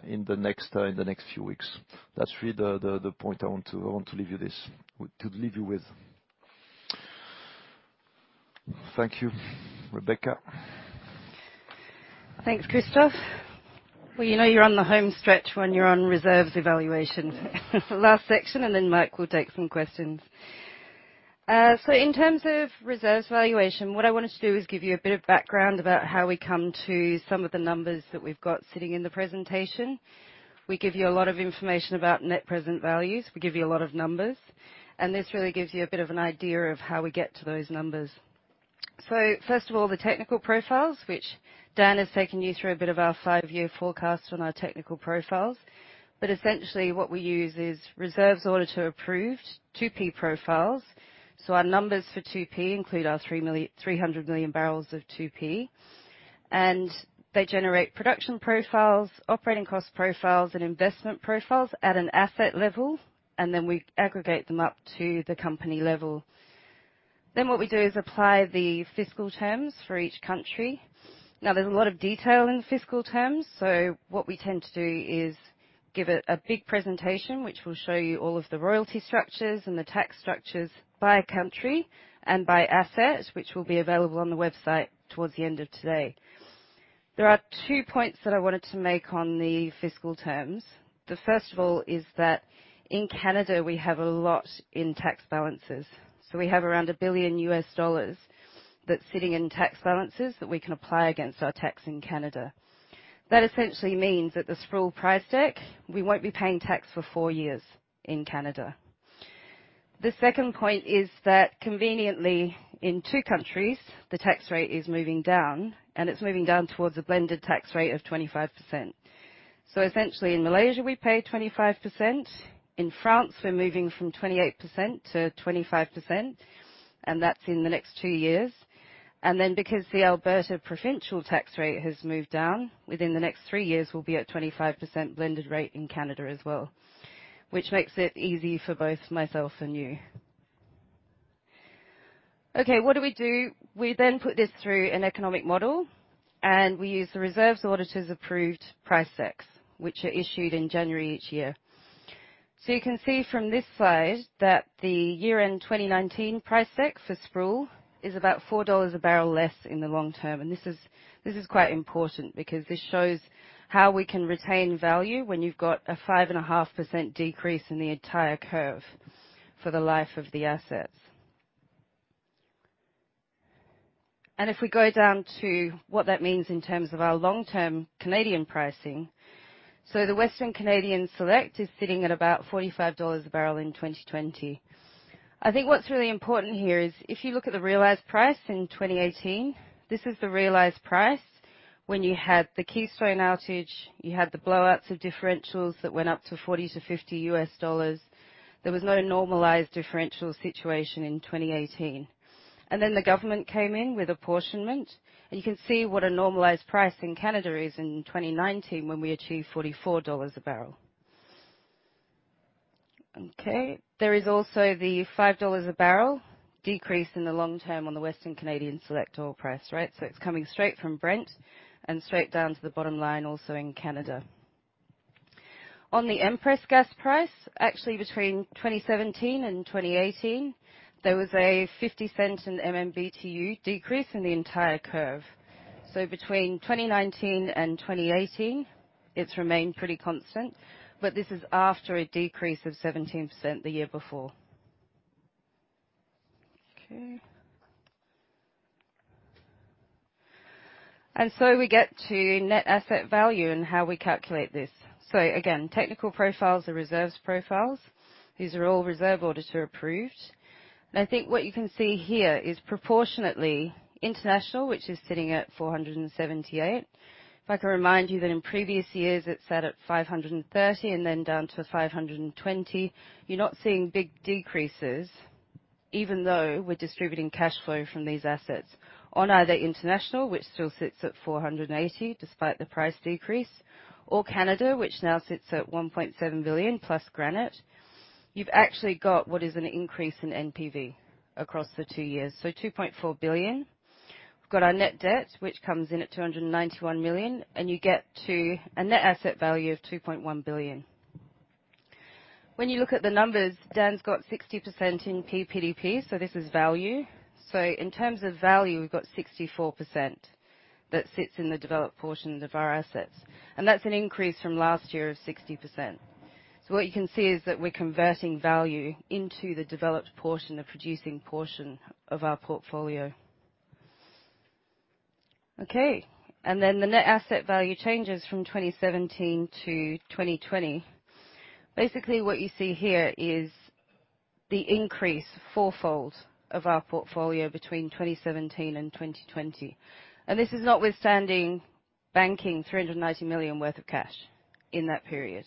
in the next few weeks. That's really the point I want to leave you this, to leave you with. Thank you. Rebecca? Thanks, Christophe. You know you're on the home stretch when you're on reserves evaluation. Last section, Mike will take some questions. In terms of reserves evaluation, what I want us to do is give you a bit of background about how we come to some of the numbers that we've got sitting in the presentation. We give you a lot of information about net present values. We give you a lot of numbers. This really gives you a bit of an idea of how we get to those numbers. First of all, the technical profiles, which Dan has taken you through a bit of our five-year forecast on our technical profiles. Essentially what we use is reserves auditor approved, 2P profiles. Our numbers for 2P include our 300 million barrels of 2P. They generate production profiles, operating cost profiles, and investment profiles at an asset level. We aggregate them up to the company level. What we do is apply the fiscal terms for each country. There's a lot of detail in fiscal terms, so what we tend to do is give a big presentation, which will show you all of the royalty structures and the tax structures by country and by asset, which will be available on the website towards the end of today. There are two points that I wanted to make on the fiscal terms. The first of all is that in Canada, we have a lot in tax balances, so we have around $1 billion that's sitting in tax balances that we can apply against our tax in Canada. That essentially means that the Sproule price deck, we won't be paying tax for 4 years in Canada. The second point is that conveniently, in 2 countries, the tax rate is moving down, and it's moving down towards a blended tax rate of 25%. Essentially, in Malaysia, we pay 25%. In France, we're moving from 28% to 25%, and that's in the next 2 years. Because the Alberta provincial tax rate has moved down, within the next 3 years, we'll be at 25% blended rate in Canada as well, which makes it easy for both myself and you. Okay, what do we do? We then put this through an economic model, and we use the reserves auditors approved price decks, which are issued in January each year. You can see from this slide that the year-end 2019 price deck for Sproule is about $4 a barrel less in the long term. This is quite important because this shows how we can retain value when you've got a 5.5% decrease in the entire curve for the life of the assets. If we go down to what that means in terms of our long-term Canadian pricing, the Western Canadian Select is sitting at about $45 a barrel in 2020. I think what's really important here is if you look at the realized price in 2018, this is the realized price when you had the Keystone outage, you had the blowouts of differentials that went up to $40-$50 USD. There was no normalized differential situation in 2018. The government came in with apportionment. You can see what a normalized price in Canada is in 2019, when we achieved $44 a barrel. Okay. There is also the $5 a barrel decrease in the long term on the Western Canadian Select oil price, right? It's coming straight from Brent and straight down to the bottom line also in Canada. On the Empress gas price, actually, between 2017 and 2018, there was a $0.50 in MMBtu decrease in the entire curve. Between 2019 and 2018, it's remained pretty constant, but this is after a decrease of 17% the year before. Okay. We get to net asset value and how we calculate this. Again, technical profiles are reserves profiles. These are all reserve auditor approved. I think what you can see here is, proportionately, International, which is sitting at $478. If I can remind you that in previous years, it sat at $530 and then down to $520. You're not seeing big decreases, even though we're distributing cash flow from these assets on either International, which still sits at $480, despite the price decrease, or Canada, which now sits at $1.7 billion, plus Granite. You've actually got what is an increase in NPV across the 2 years, so $2.4 billion. We've got our net debt, which comes in at $291 million, and you get to a net asset value of $2.1 billion. When you look at the numbers, Dan's got 60% in PPDP, so this is value. In terms of value, we've got 64% that sits in the developed portion of our assets, and that's an increase from last year of 60%. What you can see is that we're converting value into the developed portion, the producing portion of our portfolio. The net asset value changes from 2017 to 2020. Basically, what you see here is the increase, fourfold, of our portfolio between 2017 and 2020. This is notwithstanding banking $390 million worth of cash in that period.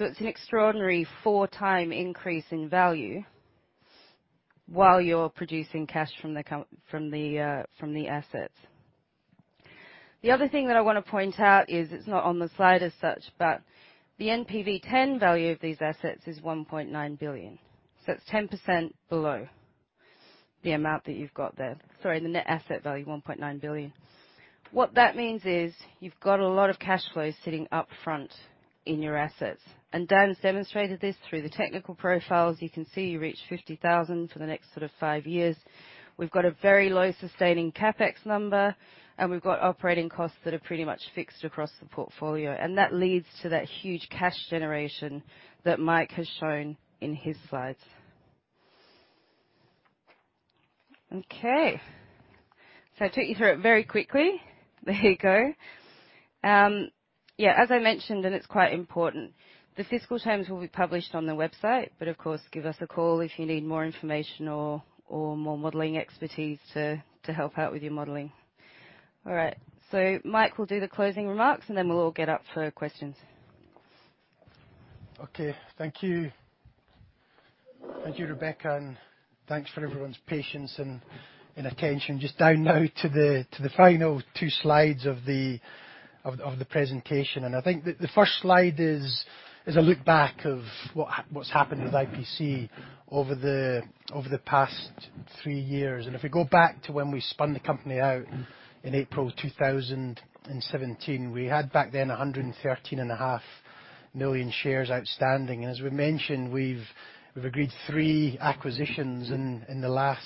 It's an extraordinary four-time increase in value while you're producing cash from the assets. The other thing that I wanna point out is, it's not on the slide as such, but the NPV10 value of these assets is $1.9 billion. It's 10% below the amount that you've got there. Sorry, the net asset value, $1.9 billion. What that means is you've got a lot of cash flows sitting up front in your assets, and Dan's demonstrated this through the technical profiles. You can see you reach 50,000 for the next sort of 5 years. We've got a very low sustaining CapEx number, and we've got operating costs that are pretty much fixed across the portfolio, and that leads to that huge cash generation that Mike has shown in his slides. Okay, I took you through it very quickly. There you go. Yeah, as I mentioned, and it's quite important, the fiscal terms will be published on the website, but of course, give us a call if you need more information or more modeling expertise to help out with your modeling. All right, Mike will do the closing remarks, and then we'll all get up for questions. Okay. Thank you. Thank you, Rebecca, and thanks for everyone's patience and attention. Just down now to the final two slides of the presentation. I think the first slide is a look back of what's happened with IPC over the past three years. If we go back to when we spun the company out in April 2017, we had back then 113.5 million shares outstanding. As we've mentioned, we've agreed three acquisitions in the last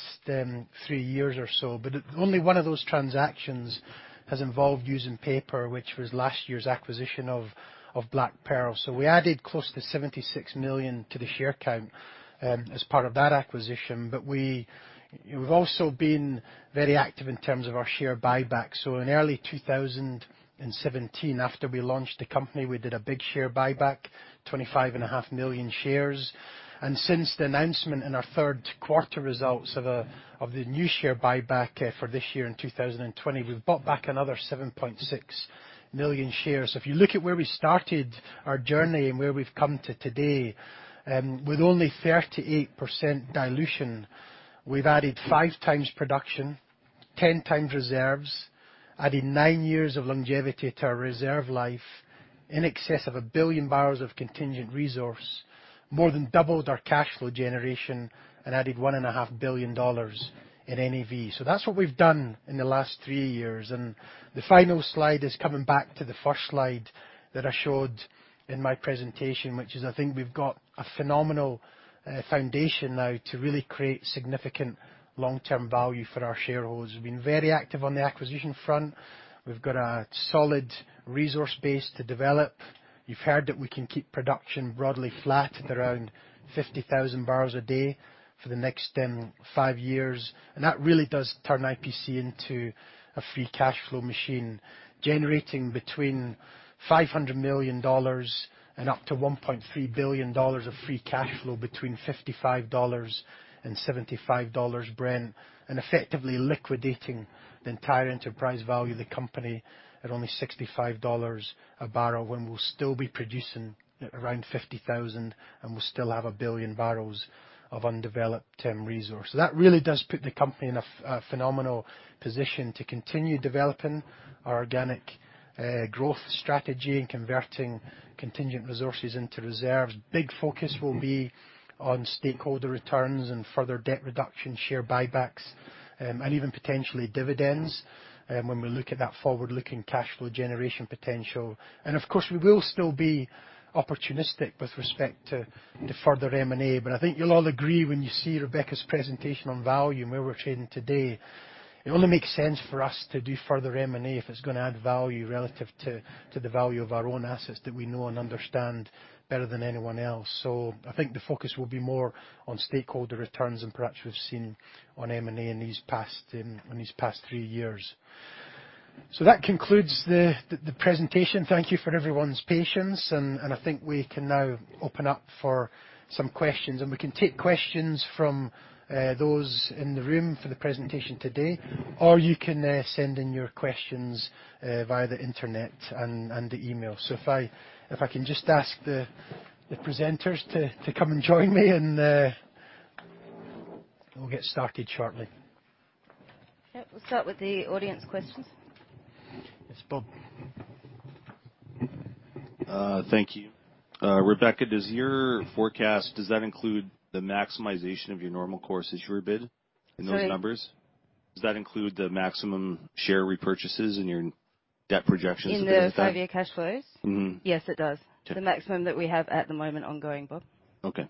three years or so. Only one of those transactions has involved using paper, which was last year's acquisition of Black Pearl. We added close to 76 million to the share count as part of that acquisition. We've also been very active in terms of our share buyback. In early 2017, after we launched the company, we did a big share buyback, 25 and a half million shares. Since the announcement in our Q3 results of the new share buyback for this year in 2020, we've bought back another 7.6 million shares. If you look at where we started our journey and where we've come to today, with only 38% dilution, we've added 5 times production, 10 times reserves, adding 9 years of longevity to our reserve life, in excess of 1 billion barrels of contingent resource, more than doubled our cash flow generation, and added $1 and a half billion in NAV. That's what we've done in the last 3 years. The final slide is coming back to the first slide that I showed in my presentation, which is, I think we've got a phenomenal foundation now to really create significant long-term value for our shareholders. We've been very active on the acquisition front. We've got a solid resource base to develop. You've heard that we can keep production broadly flat at around 50,000 barrels a day for the next five years, and that really does turn IPC into a free cash flow machine, generating between $500 million and up to $1.3 billion of free cash flow, between $55 and $75 Brent, and effectively liquidating the entire enterprise value of the company at only $65 a barrel, when we'll still be producing around 50,000, and we'll still have 1 billion barrels of undeveloped resource. That really does put the company in a phenomenal position to continue developing our organic growth strategy and converting contingent resources into reserves. Big focus will be on stakeholder returns and further debt reduction, share buybacks, and even potentially dividends when we look at that forward-looking cash flow generation potential. Of course, we will still be opportunistic with respect to further M&A. I think you'll all agree when you see Rebecca's presentation on value and where we're trading today, it only makes sense for us to do further M&A if it's gonna add value relative to the value of our own assets that we know and understand better than anyone else. I think the focus will be more on stakeholder returns than perhaps we've seen on M&A in these past 3 years. That concludes the presentation. Thank you for everyone's patience, and I think we can now open up for some questions. We can take questions from those in the room for the presentation today, or you can send in your questions via the Internet and the email. If I can just ask the presenters to come and join me, and we'll get started shortly. Yep, we'll start with the audience questions. Yes, Bob. Thank you. Rebecca, does your forecast, does that include the maximization of your Normal Course Issuer Bid in those numbers? Does that include the maximum share repurchases in your debt projections that you said? In the five-year cash flows? Mm-hmm. Yes, it does. Okay. The maximum that we have at the moment ongoing, Bob. Okay.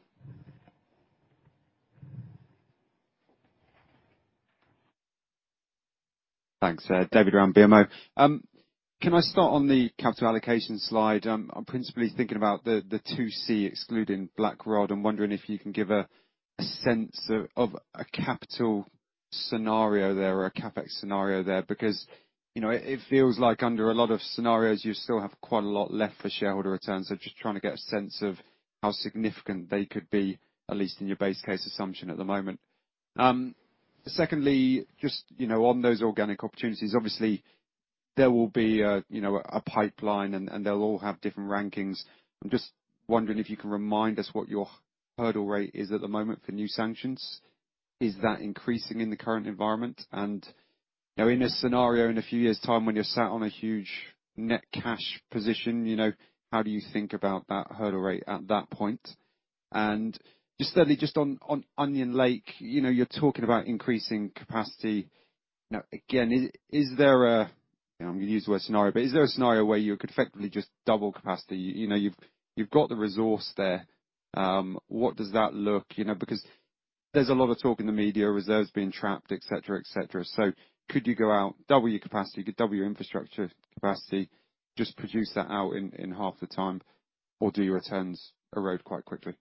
Thanks, David Round, BMO. Can I start on the capital allocation slide? I'm principally thinking about the 2C excluding Blackrod, I'm wondering if you can give a sense of a capital scenario there or a CapEx scenario there. Because, you know, it feels like under a lot of scenarios, you still have quite a lot left for shareholder returns. Just trying to get a sense of how significant they could be, at least in your base case assumption at the moment. Secondly, just, you know, on those organic opportunities, obviously, there will be a, you know, a pipeline, and they'll all have different rankings. I'm just wondering if you can remind us what your hurdle rate is at the moment for new sanctions. Is that increasing in the current environment? You know, in a scenario, in a few years' time, when you're sat on a huge net cash position, you know, how do you think about that hurdle rate at that point? Just steadily, just on Onion Lake, you know, you're talking about increasing capacity. Now, again, is there a scenario where you could effectively just double capacity? You know, you've got the resource there. What does that look-? You know, because there's a lot of talk in the media, reserves being trapped, et cetera, et cetera. Could you go out, double your capacity, double your infrastructure capacity, just produce that out in half the time, or do your returns erode quite quickly?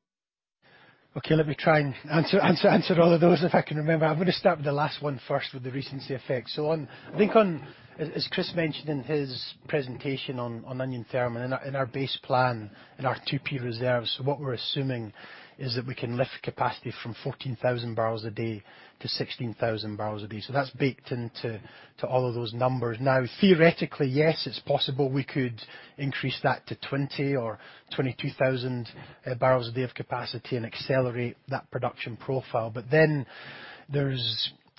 Okay, let me try and answer all of those, if I can remember. I'm gonna start with the last one first, with the recency effect. I think on, as Chris mentioned in his presentation on Onion Thermal, and in our, in our base plan, in our 2P reserves. What we're assuming is that we can lift capacity from 14,000 barrels a day to 16,000 barrels a day. That's baked into all of those numbers. Now, theoretically, yes, it's possible we could increase that to 20 or 22,000 barrels a day of capacity and accelerate that production profile.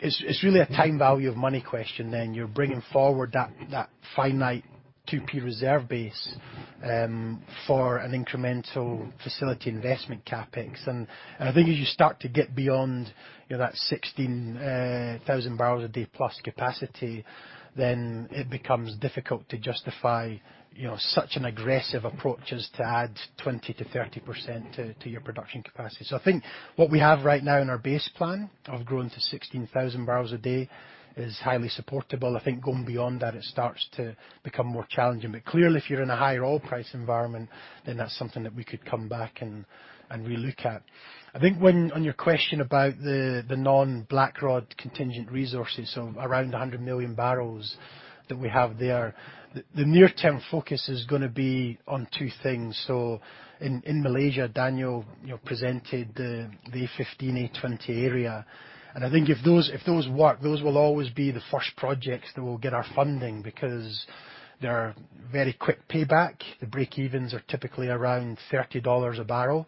It's really a time value of money question then. You're bringing forward that finite 2P reserve base for an incremental facility investment CapEx. I think as you start to get beyond, you know, that 16,000 barrels a day plus capacity, then it becomes difficult to justify, you know, such an aggressive approach as to add 20%-30% to your production capacity. I think what we have right now in our base plan of growing to 16,000 barrels a day is highly supportable. I think going beyond that, it starts to become more challenging. Clearly, if you're in a higher oil price environment, then that's something that we could come back and relook at. I think when, on your question about the non-Blackrod contingent resources, so around 100 million barrels that we have there. The near-term focus is gonna be on 2 things. In Malaysia, Daniel, you know, presented the 15 A, 20 area. I think if those, if those work, those will always be the first projects that will get our funding, because they're very quick payback. The breakevens are typically around $30 per barrel,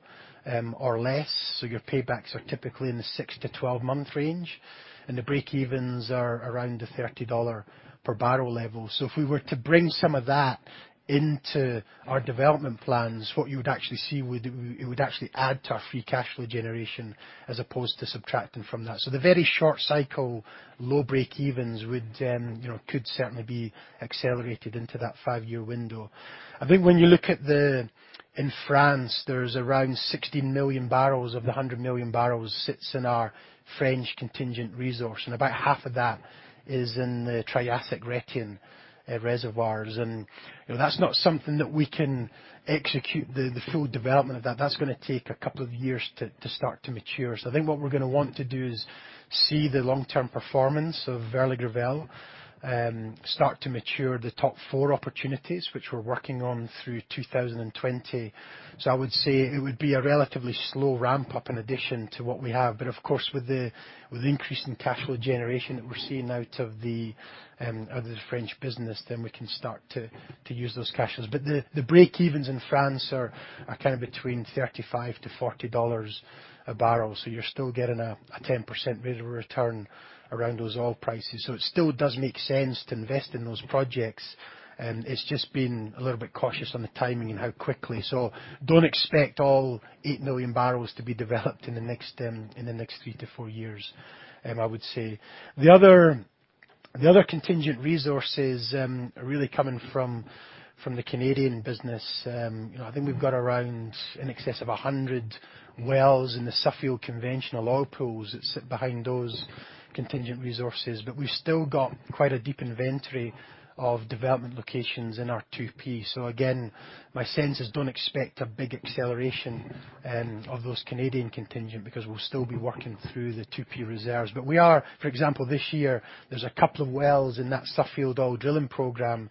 or less, so your paybacks are typically in the 6-12 month range, and the breakevens are around the $30 per barrel level. If we were to bring some of that into our development plans, what you would actually see, it would actually add to our free cash flow generation, as opposed to subtracting from that. The very short cycle, low breakevens would, you know, could certainly be accelerated into that 5-year window. I think when you look at In France, there's around 16 million barrels of the 100 million barrels, sits in our French contingent resource, and about half of that is in the Triassic Rhaetian reservoirs. You know, that's not something that we can execute the full development of that. That's gonna take a couple of years to start to mature. I think what we're gonna want to do is see the long-term performance of Vert-la-Gravelle, start to mature the top 4 opportunities, which we're working on through 2020. I would say it would be a relatively slow ramp-up in addition to what we have. Of course, with the increase in cash flow generation that we're seeing out of the French business, then we can start to use those cashes. The breakevens in France are kind of between $35-$40 a barrel, so you're still getting a 10% rate of return around those oil prices. It still does make sense to invest in those projects, it's just being a little bit cautious on the timing and how quickly. Don't expect all 8 million barrels to be developed in the next 3-4 years, I would say. The other contingent resources are really coming from the Canadian business. You know, I think we've got around in excess of 100 wells in the Suffield conventional oil pools that sit behind those contingent resources. We've still got quite a deep inventory of development locations in our 2P. Again, my sense is don't expect a big acceleration of those Canadian contingent, because we'll still be working through the 2P reserves. We are, for example, this year, there's a couple of wells in that Suffield oil drilling program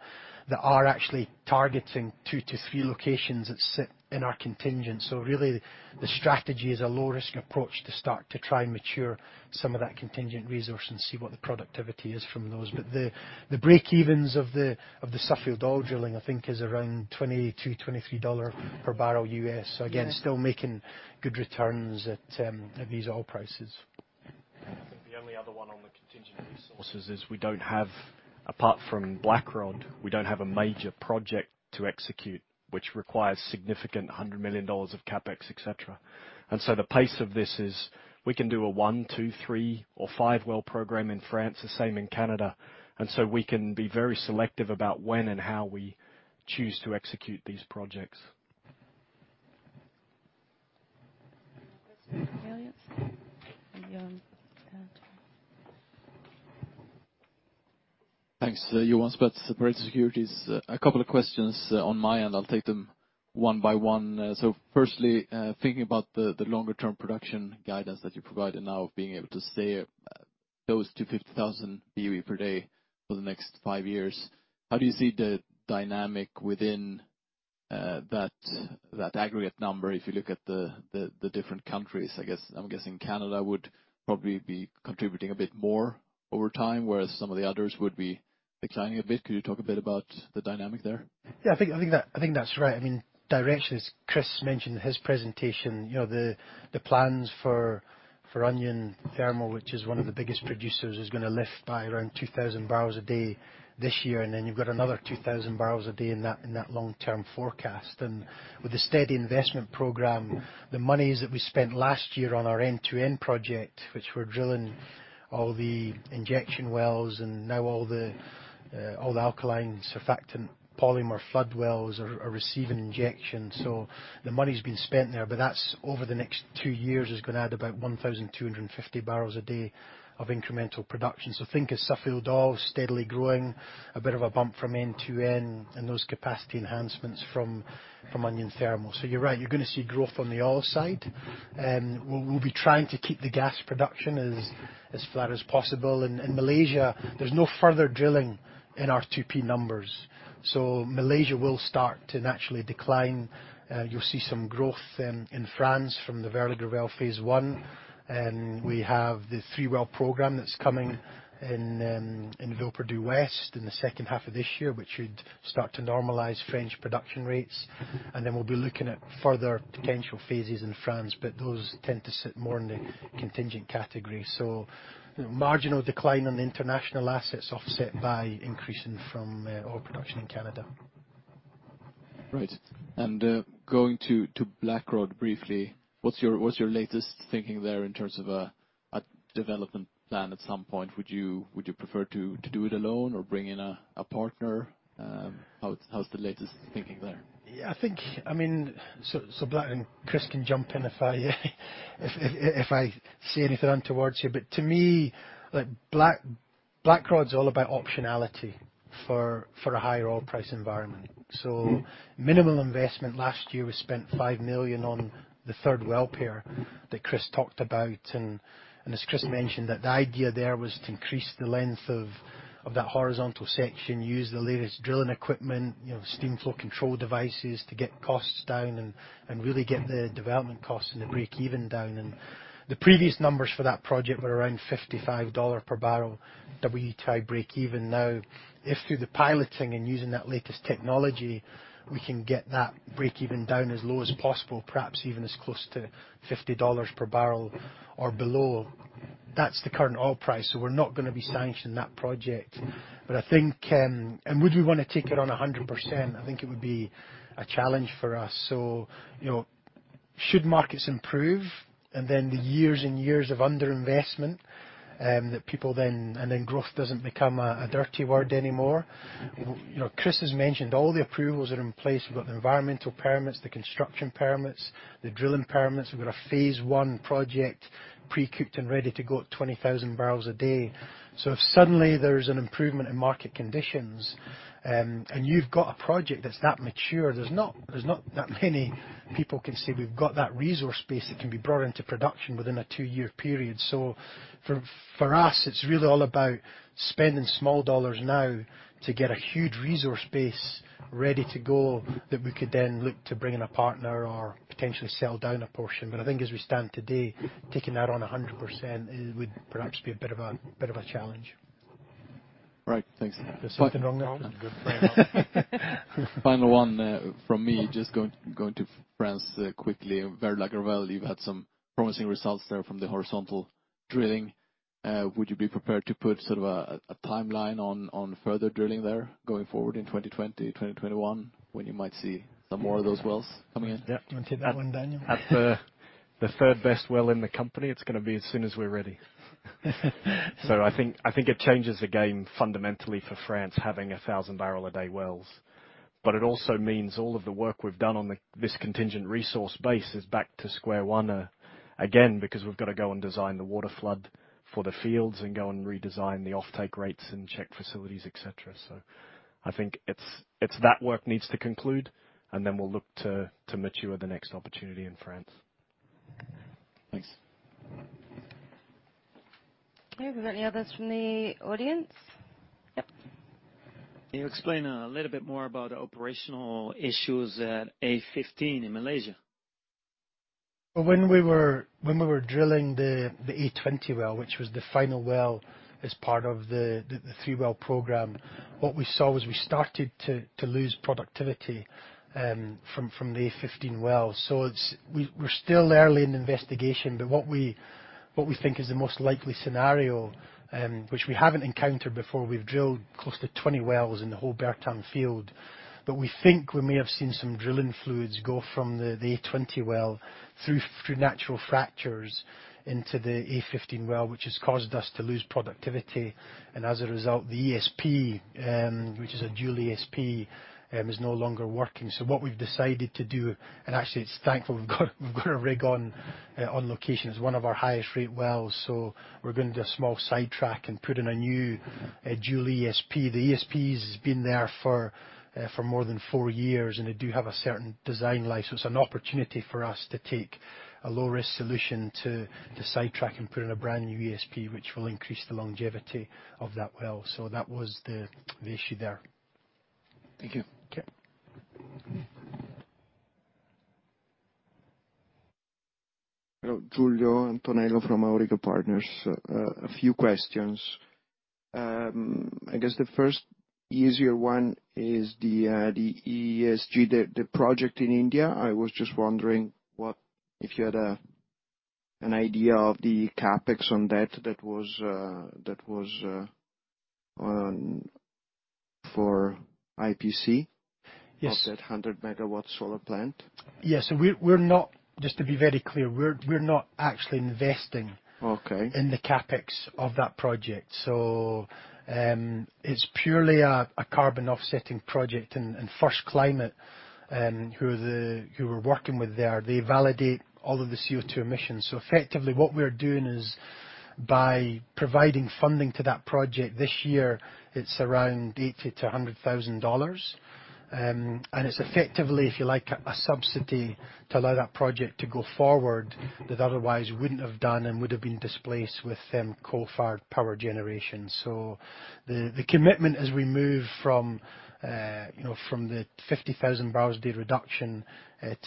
that are actually targeting 2 to 3 locations that sit in our contingent. Really, the strategy is a low-risk approach to start to try and mature some of that contingent resource and see what the productivity is from those. The breakevens of the Suffield oil drilling, I think is around $20-$23 per barrel USD. Again, still making good returns at these oil prices. I think the only other one on the contingent resources is we don't have. ... apart from Blackrod, we don't have a major project to execute, which requires significant $100 million of CapEx, et cetera. The pace of this is we can do a one, two, three, or five-well program in France, the same in Canada. We can be very selective about when and how we choose to execute these projects. Any other questions from the audience? John, go ahead. Thanks. Johan Spetz, Pareto Securities. A couple of questions on my end. I'll take them one by one. Firstly, thinking about the longer term production guidance that you provided now of being able to stay close to 50,000 BOE per day for the next 5 years. How do you see the dynamic within that aggregate number, if you look at the different countries? I'm guessing Canada would probably be contributing a bit more over time, whereas some of the others would be declining a bit. Could you talk a bit about the dynamic there? Yeah, I think that's right. I mean, direction, as Chris mentioned in his presentation, you know, the plans for Blackrod Thermal, which is one of the biggest producers, is gonna lift by around 2,000 barrels a day this year, and then you've got another 2,000 barrels a day in that, in that long-term forecast. With the steady investment program, the monies that we spent last year on our end-to-end project, which we're drilling all the injection wells and now all the alkaline surfactant polymer flood wells are receiving injections. The money's been spent there, but that's over the next 2 years is gonna add about 1,250 barrels a day of incremental production. Think of Suffield Oil steadily growing, a bit of a bump from end to end, and those capacity enhancements from Onion Thermal. You're right, you're gonna see growth on the oil side. We'll be trying to keep the gas production as flat as possible. In Malaysia, there's no further drilling in our 2P numbers. Malaysia will start to naturally decline. You'll see some growth in France from the Vert-la-Gravelle phase one. We have the 3-well program that's coming in Vaupillon West in the second half of this year, which should start to normalize French production rates. We'll be looking at further potential phases in France. Those tend to sit more in the contingent category. Marginal decline on the international assets, offset by increasing from oil production in Canada. Right. Going to Blackrod briefly, what's your latest thinking there in terms of a development plan at some point? Would you prefer to do it alone or bring in a partner? How's the latest thinking there? Yeah, I think... I mean, so Black, and Chris can jump in if I say anything untowards here. To me, like, Blackrod's all about optionality for a higher oil price environment. Mm-hmm. Minimal investment. Last year, we spent $5 million on the third well pair that Chris talked about. As Chris mentioned, the idea there was to increase the length of that horizontal section, use the latest drilling equipment, you know, steam flow control devices, to get costs down and really get the development costs and the break even down. The previous numbers for that project were around $55 per barrel, WTI break even. If through the piloting and using that latest technology, we can get that break even down as low as possible, perhaps even as close to $50 per barrel or below. That's the current oil price, we're not gonna be sanctioning that project. Would we wanna take it on 100%? I think it would be a challenge for us. You know, should markets improve and then the years and years of underinvestment, that people and then growth doesn't become a dirty word anymore. Mm-hmm. You know, Chris has mentioned all the approvals are in place. We've got the environmental permits, the construction permits, the drilling permits. We've got a phase one project pre-cooked and ready to go at 20,000 barrels a day. If suddenly there's an improvement in market conditions, and you've got a project that's that mature, there's not that many people can say we've got that resource base that can be brought into production within a 2-year period. For us, it's really all about spending small dollars now to get a huge resource base ready to go, that we could then look to bring in a partner or potentially sell down a portion. I think as we stand today, taking that on 100%, it would perhaps be a bit of a challenge. Right. Thanks. Is there something wrong there? Final one from me. Just going to France quickly. Vert-la-Gravelle, you've had some promising results there from the horizontal drilling. Would you be prepared to put sort of a timeline on further drilling there going forward in 2020, 2021, when you might see some more of those wells coming in? Yeah. You want to take that one, Daniel? At the third best well in the company, it's gonna be as soon as we're ready. I think it changes the game fundamentally for France, having a 1,000 barrel a day wells. It also means all of the work we've done on the, this contingent resource base is back to square one, again, because we've got to go and design the water flood for the fields and go and redesign the offtake rates and check facilities, et cetera. I think it's that work needs to conclude, and then we'll look to mature the next opportunity in France. Thanks. Okay. Are there any others from the audience? Yep. Can you explain a little bit more about the operational issues at A15 in Malaysia? When we were drilling the A20 well, which was the final well, as part of the three well program. What we saw was we started to lose productivity from the A15 wells. We're still early in the investigation, but what we think is the most likely scenario, which we haven't encountered before, we've drilled close to 20 wells in the whole Bertam field. We think we may have seen some drilling fluids go from the A20 well through natural fractures into the A15 well, which has caused us to lose productivity. As a result, the ESP, which is a dual ESP, is no longer working. What we've decided to do, and actually it's thankful, we've got a rig on location. It's one of our highest rate wells. We're going to do a small sidetrack and put in a new dual ESP. The ESPs has been there for more than four years, they do have a certain design life. It's an opportunity for us to take a low-risk solution to sidetrack and put in a brand-new ESP, which will increase the longevity of that well. That was the issue there. Thank you. Okay. Hello, Giulio Antonello from Auriga Partners. A few questions. I guess the first easier one is the ESG, the project in India. I was just wondering if you had an idea of the CapEx on that that was on for IPC. Yes. Of that 100 megawatt solar plant. Yes. We're not. Just to be very clear, we're not actually. Okay in the CapEx of that project. it's purely a carbon offsetting project. First Climate, who we're working with there, they validate all of the CO2 emissions. effectively, what we're doing is by providing funding to that project this year, it's around $80,000-$100,000. it's effectively, if you like, a subsidy to allow that project to go forward, that otherwise wouldn't have done and would have been displaced with coal-fired power generation. The commitment as we move from, you know, from the 50,000 barrels a day reduction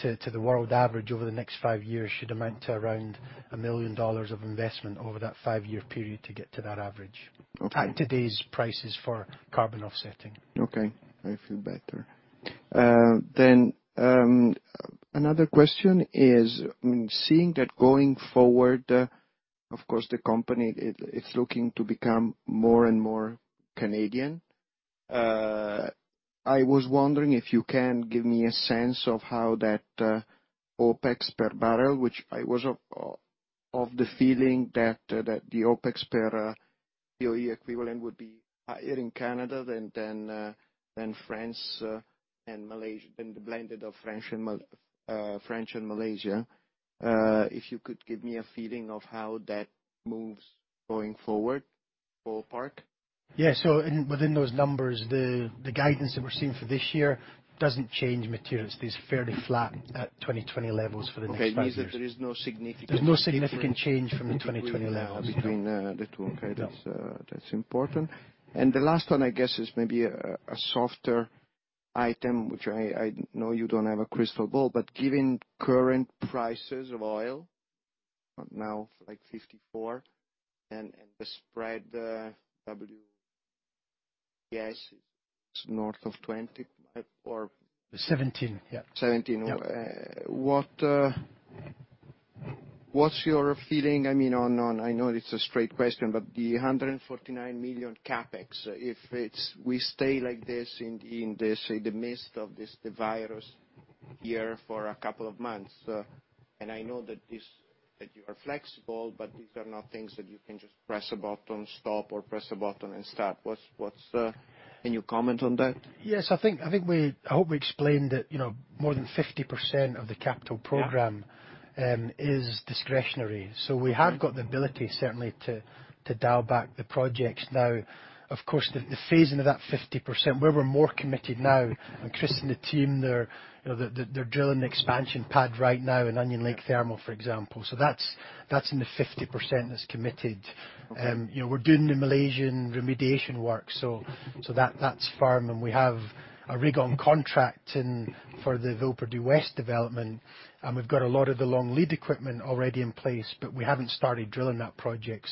to the world average over the next five years, should amount to around $1 million of investment over that five-year period to get to that average. Okay. At today's prices for carbon offsetting. Okay. I feel better. Another question is: seeing that going forward, of course, the company it's looking to become more and more Canadian, I was wondering if you can give me a sense of how that OpEx per barrel, which I was of the feeling that the OpEx per OE equivalent would be higher in Canada than France, and Malaysia, than the blended of French and Malaysia. If you could give me a feeling of how that moves going forward, ball park? Yeah. Within those numbers, the guidance that we're seeing for this year doesn't change materials. It's fairly flat at 2020 levels for the next 5 years. Okay. It means that there is no significant- There's no significant change from the 2020 levels. Between, the 2. No. Okay. That's, that's important. The last one, I guess, is maybe a softer item, which I know you don't have a crystal ball, but given current prices of oil, now, like $54, and the spread, WCS is north of $20. 17, yeah. Seventeen. Yeah. What's your feeling? I mean, I know it's a straight question, but the $149 million CapEx, if we stay like this, in the, say, the midst of this, the virus here for a couple of months, I know that you are flexible, but these are not things that you can just press a button, stop, or press a button and start. What's any comment on that? I think I hope we explained that, you know, more than 50% of the capital program. Yeah is discretionary. We have got the ability, certainly, to dial back the projects now. Of course, the phasing of that 50%, where we're more committed now, Chris and the team, they're, you know, they're drilling the expansion pad right now in Onion Lake Thermal, for example. That's in the 50% that's committed. Okay. you know, we're doing the Malaysian remediation work, that's firm, we have a rig on contract in, for the Vaupillon West development. We've got a lot of the long lead equipment already in place, we haven't started drilling that project.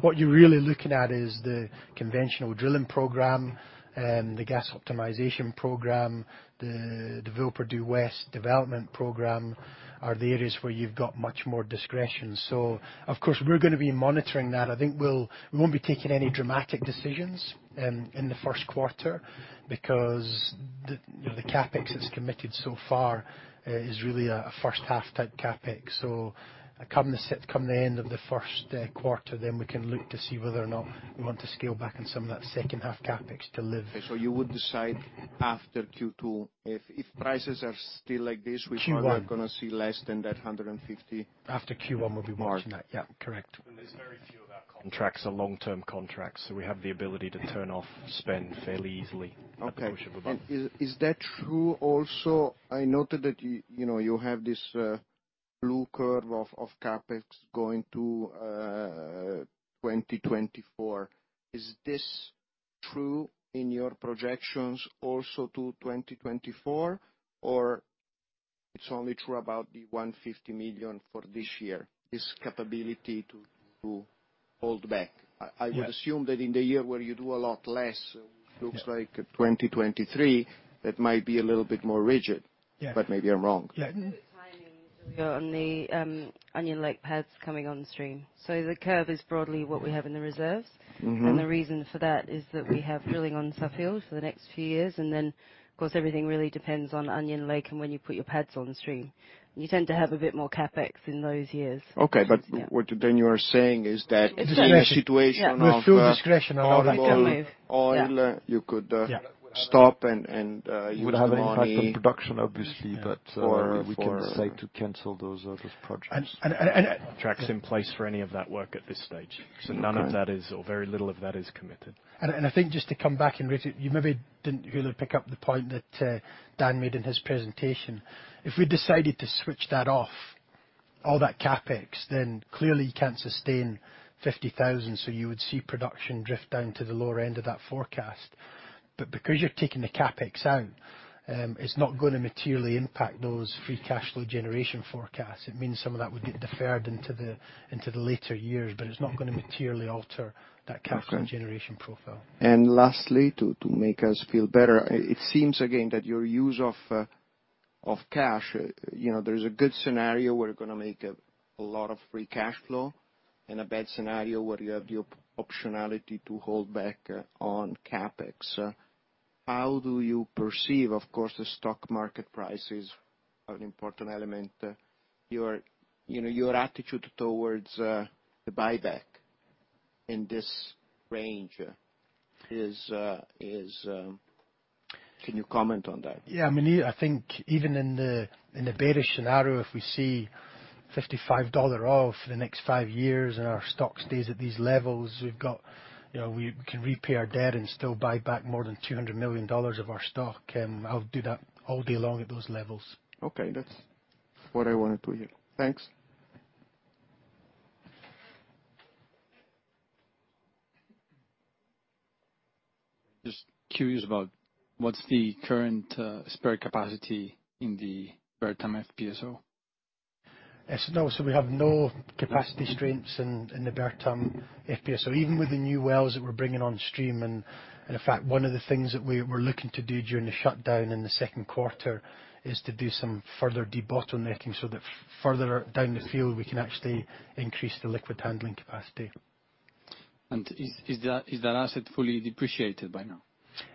What you're really looking at is the conventional drilling program and the gas optimization program. The Vaupillon West development program are the areas where you've got much more discretion. Of course, we're gonna be monitoring that. I think we won't be taking any dramatic decisions in the Q1, because the, you know, the CapEx that's committed so far is really a first half-type CapEx. Come the end of the Q1, we can look to see whether or not we want to scale back on some of that second half CapEx to live. You would decide after Q2 if prices are still like this... Q1 We are gonna see less than that 150- After Q1, we'll be watching that. Mark. Yeah, correct. There's very few of our contracts are long-term contracts. We have the ability to turn off spend fairly easily. Okay at the push of a button. Is that true also? I noted that you know, you have this blue curve of CapEx going to 2024. Is this true in your projections also to 2024, or? It's only true about the $150 million for this year, this capability to hold back. Yeah. I would assume that in the year where you do a lot less- Yeah looks like 2023, that might be a little bit more rigid. Yeah. Maybe I'm wrong. Yeah. Mm-hmm. Time we got on the Onion Lake pads coming on stream. The curve is broadly what we have in the reserves. Mm-hmm. The reason for that is that we have drilling on Suffield for the next few years, and then, of course, everything really depends on Onion Lake and when you put your pads on stream. You tend to have a bit more CapEx in those years. Okay. Yeah. What then you are saying is that. Discretion in a situation of With full discretion. Can live. oil, you could. Yeah stop and use the money. Would have an impact on production, obviously, but. We can say to cancel those projects. And Tracks in place for any of that work at this stage. Okay. None of that is, or very little of that is committed. I think just to come back and Richard, you maybe didn't really pick up the point that Dan made in his presentation. If we decided to switch that off, all that CapEx, clearly you can't sustain 50,000, so you would see production drift down to the lower end of that forecast. Because you're taking the CapEx out, it's not gonna materially impact those free cash flow generation forecasts. It means some of that would get deferred into the later years, but it's not gonna materially alter that. Okay... cash generation profile. Lastly, to make us feel better, it seems again that your use of cash, you know, there's a good scenario where you're going to make a lot of free cash flow and a bad scenario where you have the optionality to hold back on CapEx. How do you perceive, of course, the stock market prices are an important element, your, you know, your attitude towards the buyback in this range is. Can you comment on that? Yeah, I mean, I think even in the, in the bearish scenario, if we see $55 oil for the next five years and our stock stays at these levels, we've got, you know, we can repay our debt and still buy back more than $200 million of our stock. I'll do that all day long at those levels. Okay, that's what I wanted to hear. Thanks. Just curious about what's the current spare capacity in the Bertam FPSO? Yes, no, so we have no capacity strengths in the Bertam FPSO. Even with the new wells that we're bringing on stream, and in fact, one of the things that we're looking to do during the shutdown in the Q2 is to do some further debottlenecking, so that further down the field, we can actually increase the liquid handling capacity. Is that asset fully depreciated by now?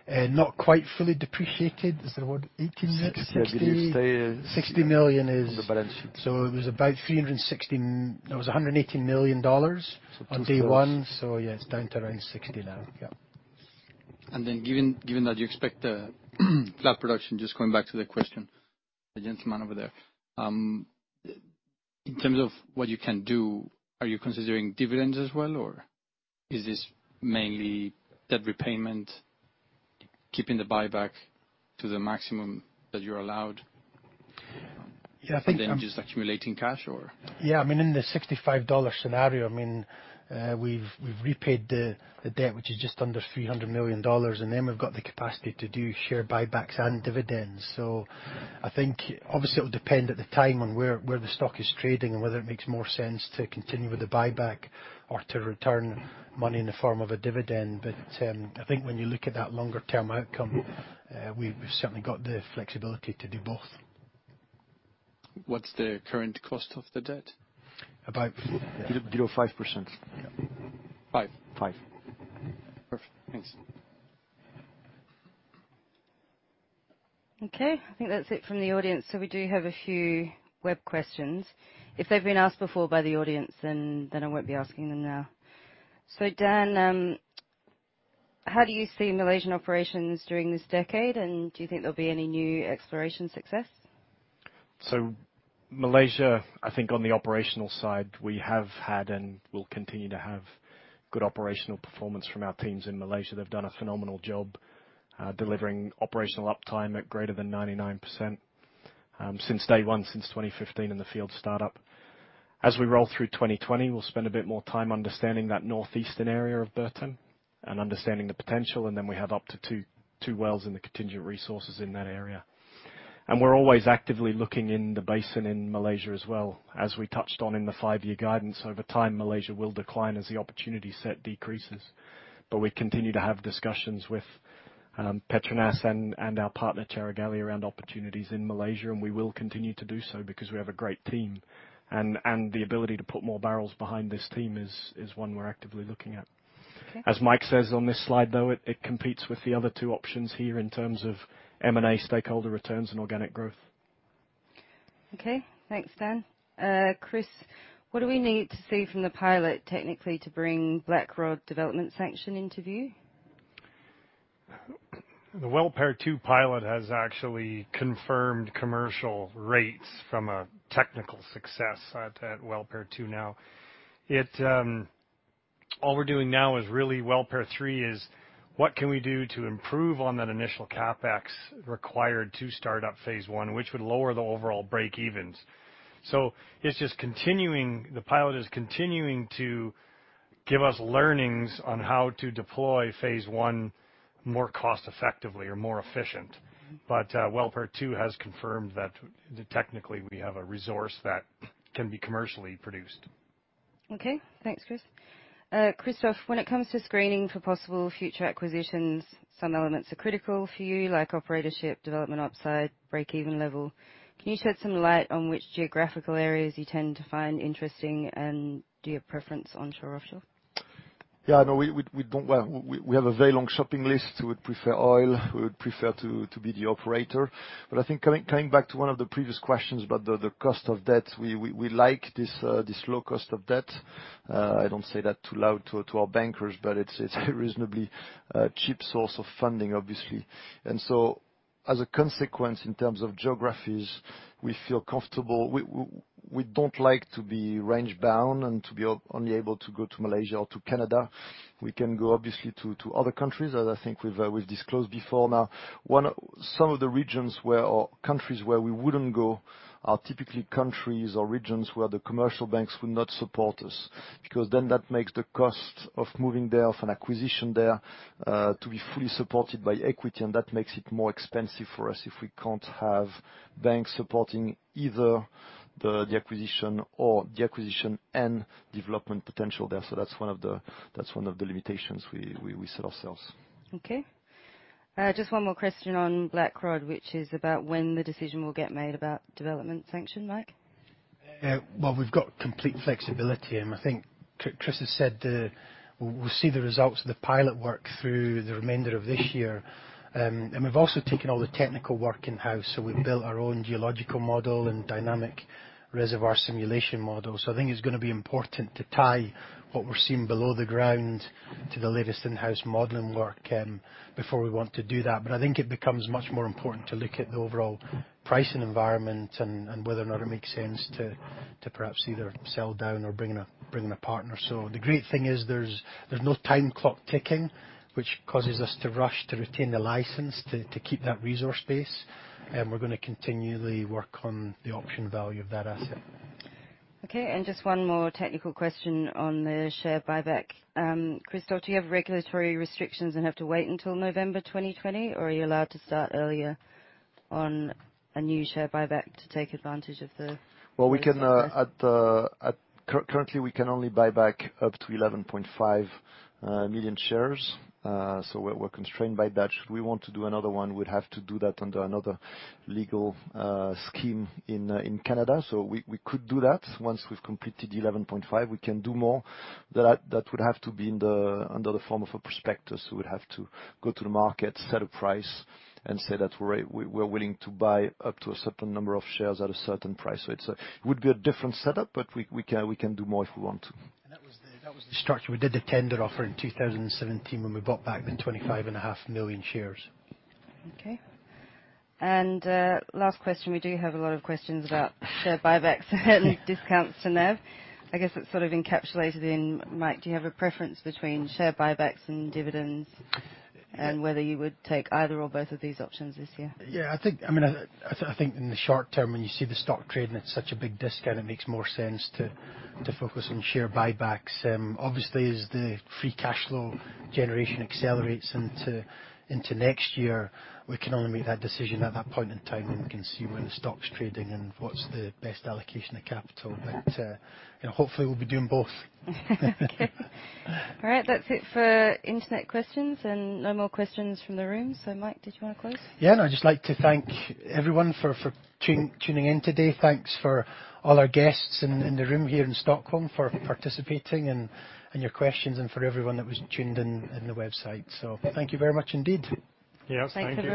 Not quite fully depreciated. Is there what? $18 million today. Sixty is- $60 million is. On the balance sheet. It was $118 million on day one. So two- yeah, it's down to around 60 now. Yeah. Given that you expect a flat production, just going back to the question, the gentleman over there. In terms of what you can do, are you considering dividends as well, or is this mainly debt repayment, keeping the buyback to the maximum that you're allowed? I think. Just accumulating cash or? I mean, in the $65 scenario, we've repaid the debt, which is just under $300 million, we've got the capacity to do share buybacks and dividends. I think obviously it will depend at the time on where the stock is trading and whether it makes more sense to continue with the buyback or to return money in the form of a dividend. I think when you look at that longer term outcome, we've certainly got the flexibility to do both. What's the current cost of the debt? About- Below 5%. Yeah. Five? Five. Perfect. Thanks. Okay, I think that's it from the audience. We do have a few web questions. If they've been asked before by the audience, then I won't be asking them now. Dan, how do you see Malaysian operations during this decade, and do you think there'll be any new exploration success? Malaysia, I think on the operational side, we have had and will continue to have good operational performance from our teams in Malaysia. They've done a phenomenal job delivering operational uptime at greater than 99% since day one, since 2015 in the field startup. As we roll through 2020, we'll spend a bit more time understanding that northeastern area of Bertam and understanding the potential, and then we have up to 2 wells in the contingent resources in that area. We're always actively looking in the basin in Malaysia as well. As we touched on in the 5-year guidance, over time, Malaysia will decline as the opportunity set decreases. We continue to have discussions with Petronas and our partner, Carigali, around opportunities in Malaysia, and we will continue to do so because we have a great team. The ability to put more barrels behind this team is one we're actively looking at. Okay. As Mike says on this slide, though, it competes with the other two options here in terms of M&A stakeholder returns and organic growth. Okay, thanks, Dan. Chris, what do we need to see from the pilot, technically, to bring Blackrod development sanction into view? The Well Pair two pilot has actually confirmed commercial rates from a technical success at Well Pair two now. It all we're doing now is really Well Pair three is, what can we do to improve on that initial CapEx required to start up phase one, which would lower the overall breakevens? It's just continuing, the pilot is continuing to give us learnings on how to deploy phase one more cost effectively or more efficient. Well Pair two has confirmed that technically, we have a resource that can be commercially produced. Okay. Thanks, Chris. Christophe, when it comes to screening for possible future acquisitions, some elements are critical for you, like operatorship, development upside, break-even level. Can you shed some light on which geographical areas you tend to find interesting, and do you have preference onshore, offshore? Yeah, no, we don't, well, we have a very long shopping list. We would prefer oil. We would prefer to be the operator. I think coming back to one of the previous questions about the cost of debt, we like this low cost of debt. I don't say that too loud to our bankers, but it's reasonably cheap source of funding, obviously. As a consequence, in terms of geographies, we feel comfortable. We don't like to be range bound and to be only able to go to Malaysia or to Canada. We can go, obviously, to other countries, as I think we've disclosed before now. Some of the regions where... Countries where we wouldn't go are typically countries or regions where the commercial banks would not support us, because then that makes the cost of moving there, of an acquisition there, to be fully supported by equity, and that makes it more expensive for us if we can't have banks supporting either the acquisition or the acquisition and development potential there. That's one of the, that's one of the limitations we set ourselves. Okay. Just one more question on Blackrod, which is about when the decision will get made about development sanction. Mike? Well, I think Chris has said, we'll see the results of the pilot work through the remainder of this year. We've also taken all the technical work in-house, so we've built our own geological model and dynamic reservoir simulation model. I think it's gonna be important to tie what we're seeing below the ground to the latest in-house modeling work, before we want to do that. I think it becomes much more important to look at the overall pricing environment and whether or not it makes sense to perhaps either sell down or bring in a partner. The great thing is, there's no time clock ticking, which causes us to rush to retain the license, to keep that resource base. We're going to continually work on the option value of that asset. Okay, just one more technical question on the share buyback. Christophe, do you have regulatory restrictions and have to wait until November 2020, or are you allowed to start earlier on a new share buyback to take advantage of? Well, we can currently we can only buy back up to 11.5 million shares. We're constrained by that. Should we want to do another one, we'd have to do that under another legal scheme in Canada. We could do that. Once we've completed 11.5, we can do more. That would have to be under the form of a prospectus. We'd have to go to the market, set a price, and say that we're willing to buy up to a certain number of shares at a certain price. It would be a different setup, but we can do more if we want to. That was the structure. We did the tender offer in 2017, when we bought back the 25 and a half million shares. Okay. Last question. We do have a lot of questions about share buybacks and discounts to NAV. I guess it's sort of encapsulated in, Mike, do you have a preference between share buybacks and dividends, and whether you would take either or both of these options this year? I think, I mean, I think in the short term, when you see the stock trading at such a big discount, it makes more sense to focus on share buybacks. Obviously, as the free cash flow generation accelerates into next year, we can only make that decision at that point in time, when we can see where the stock's trading and what's the best allocation of capital. You know, hopefully, we'll be doing both. Okay. All right, that's it for internet questions. No more questions from the room. Mike, did you want to close? Yeah, I'd just like to thank everyone for tuning in today. Thanks for all our guests in the room here in Stockholm, for participating and your questions, and for everyone that was tuned in the website. Thank you very much indeed. Yeah. Thank you.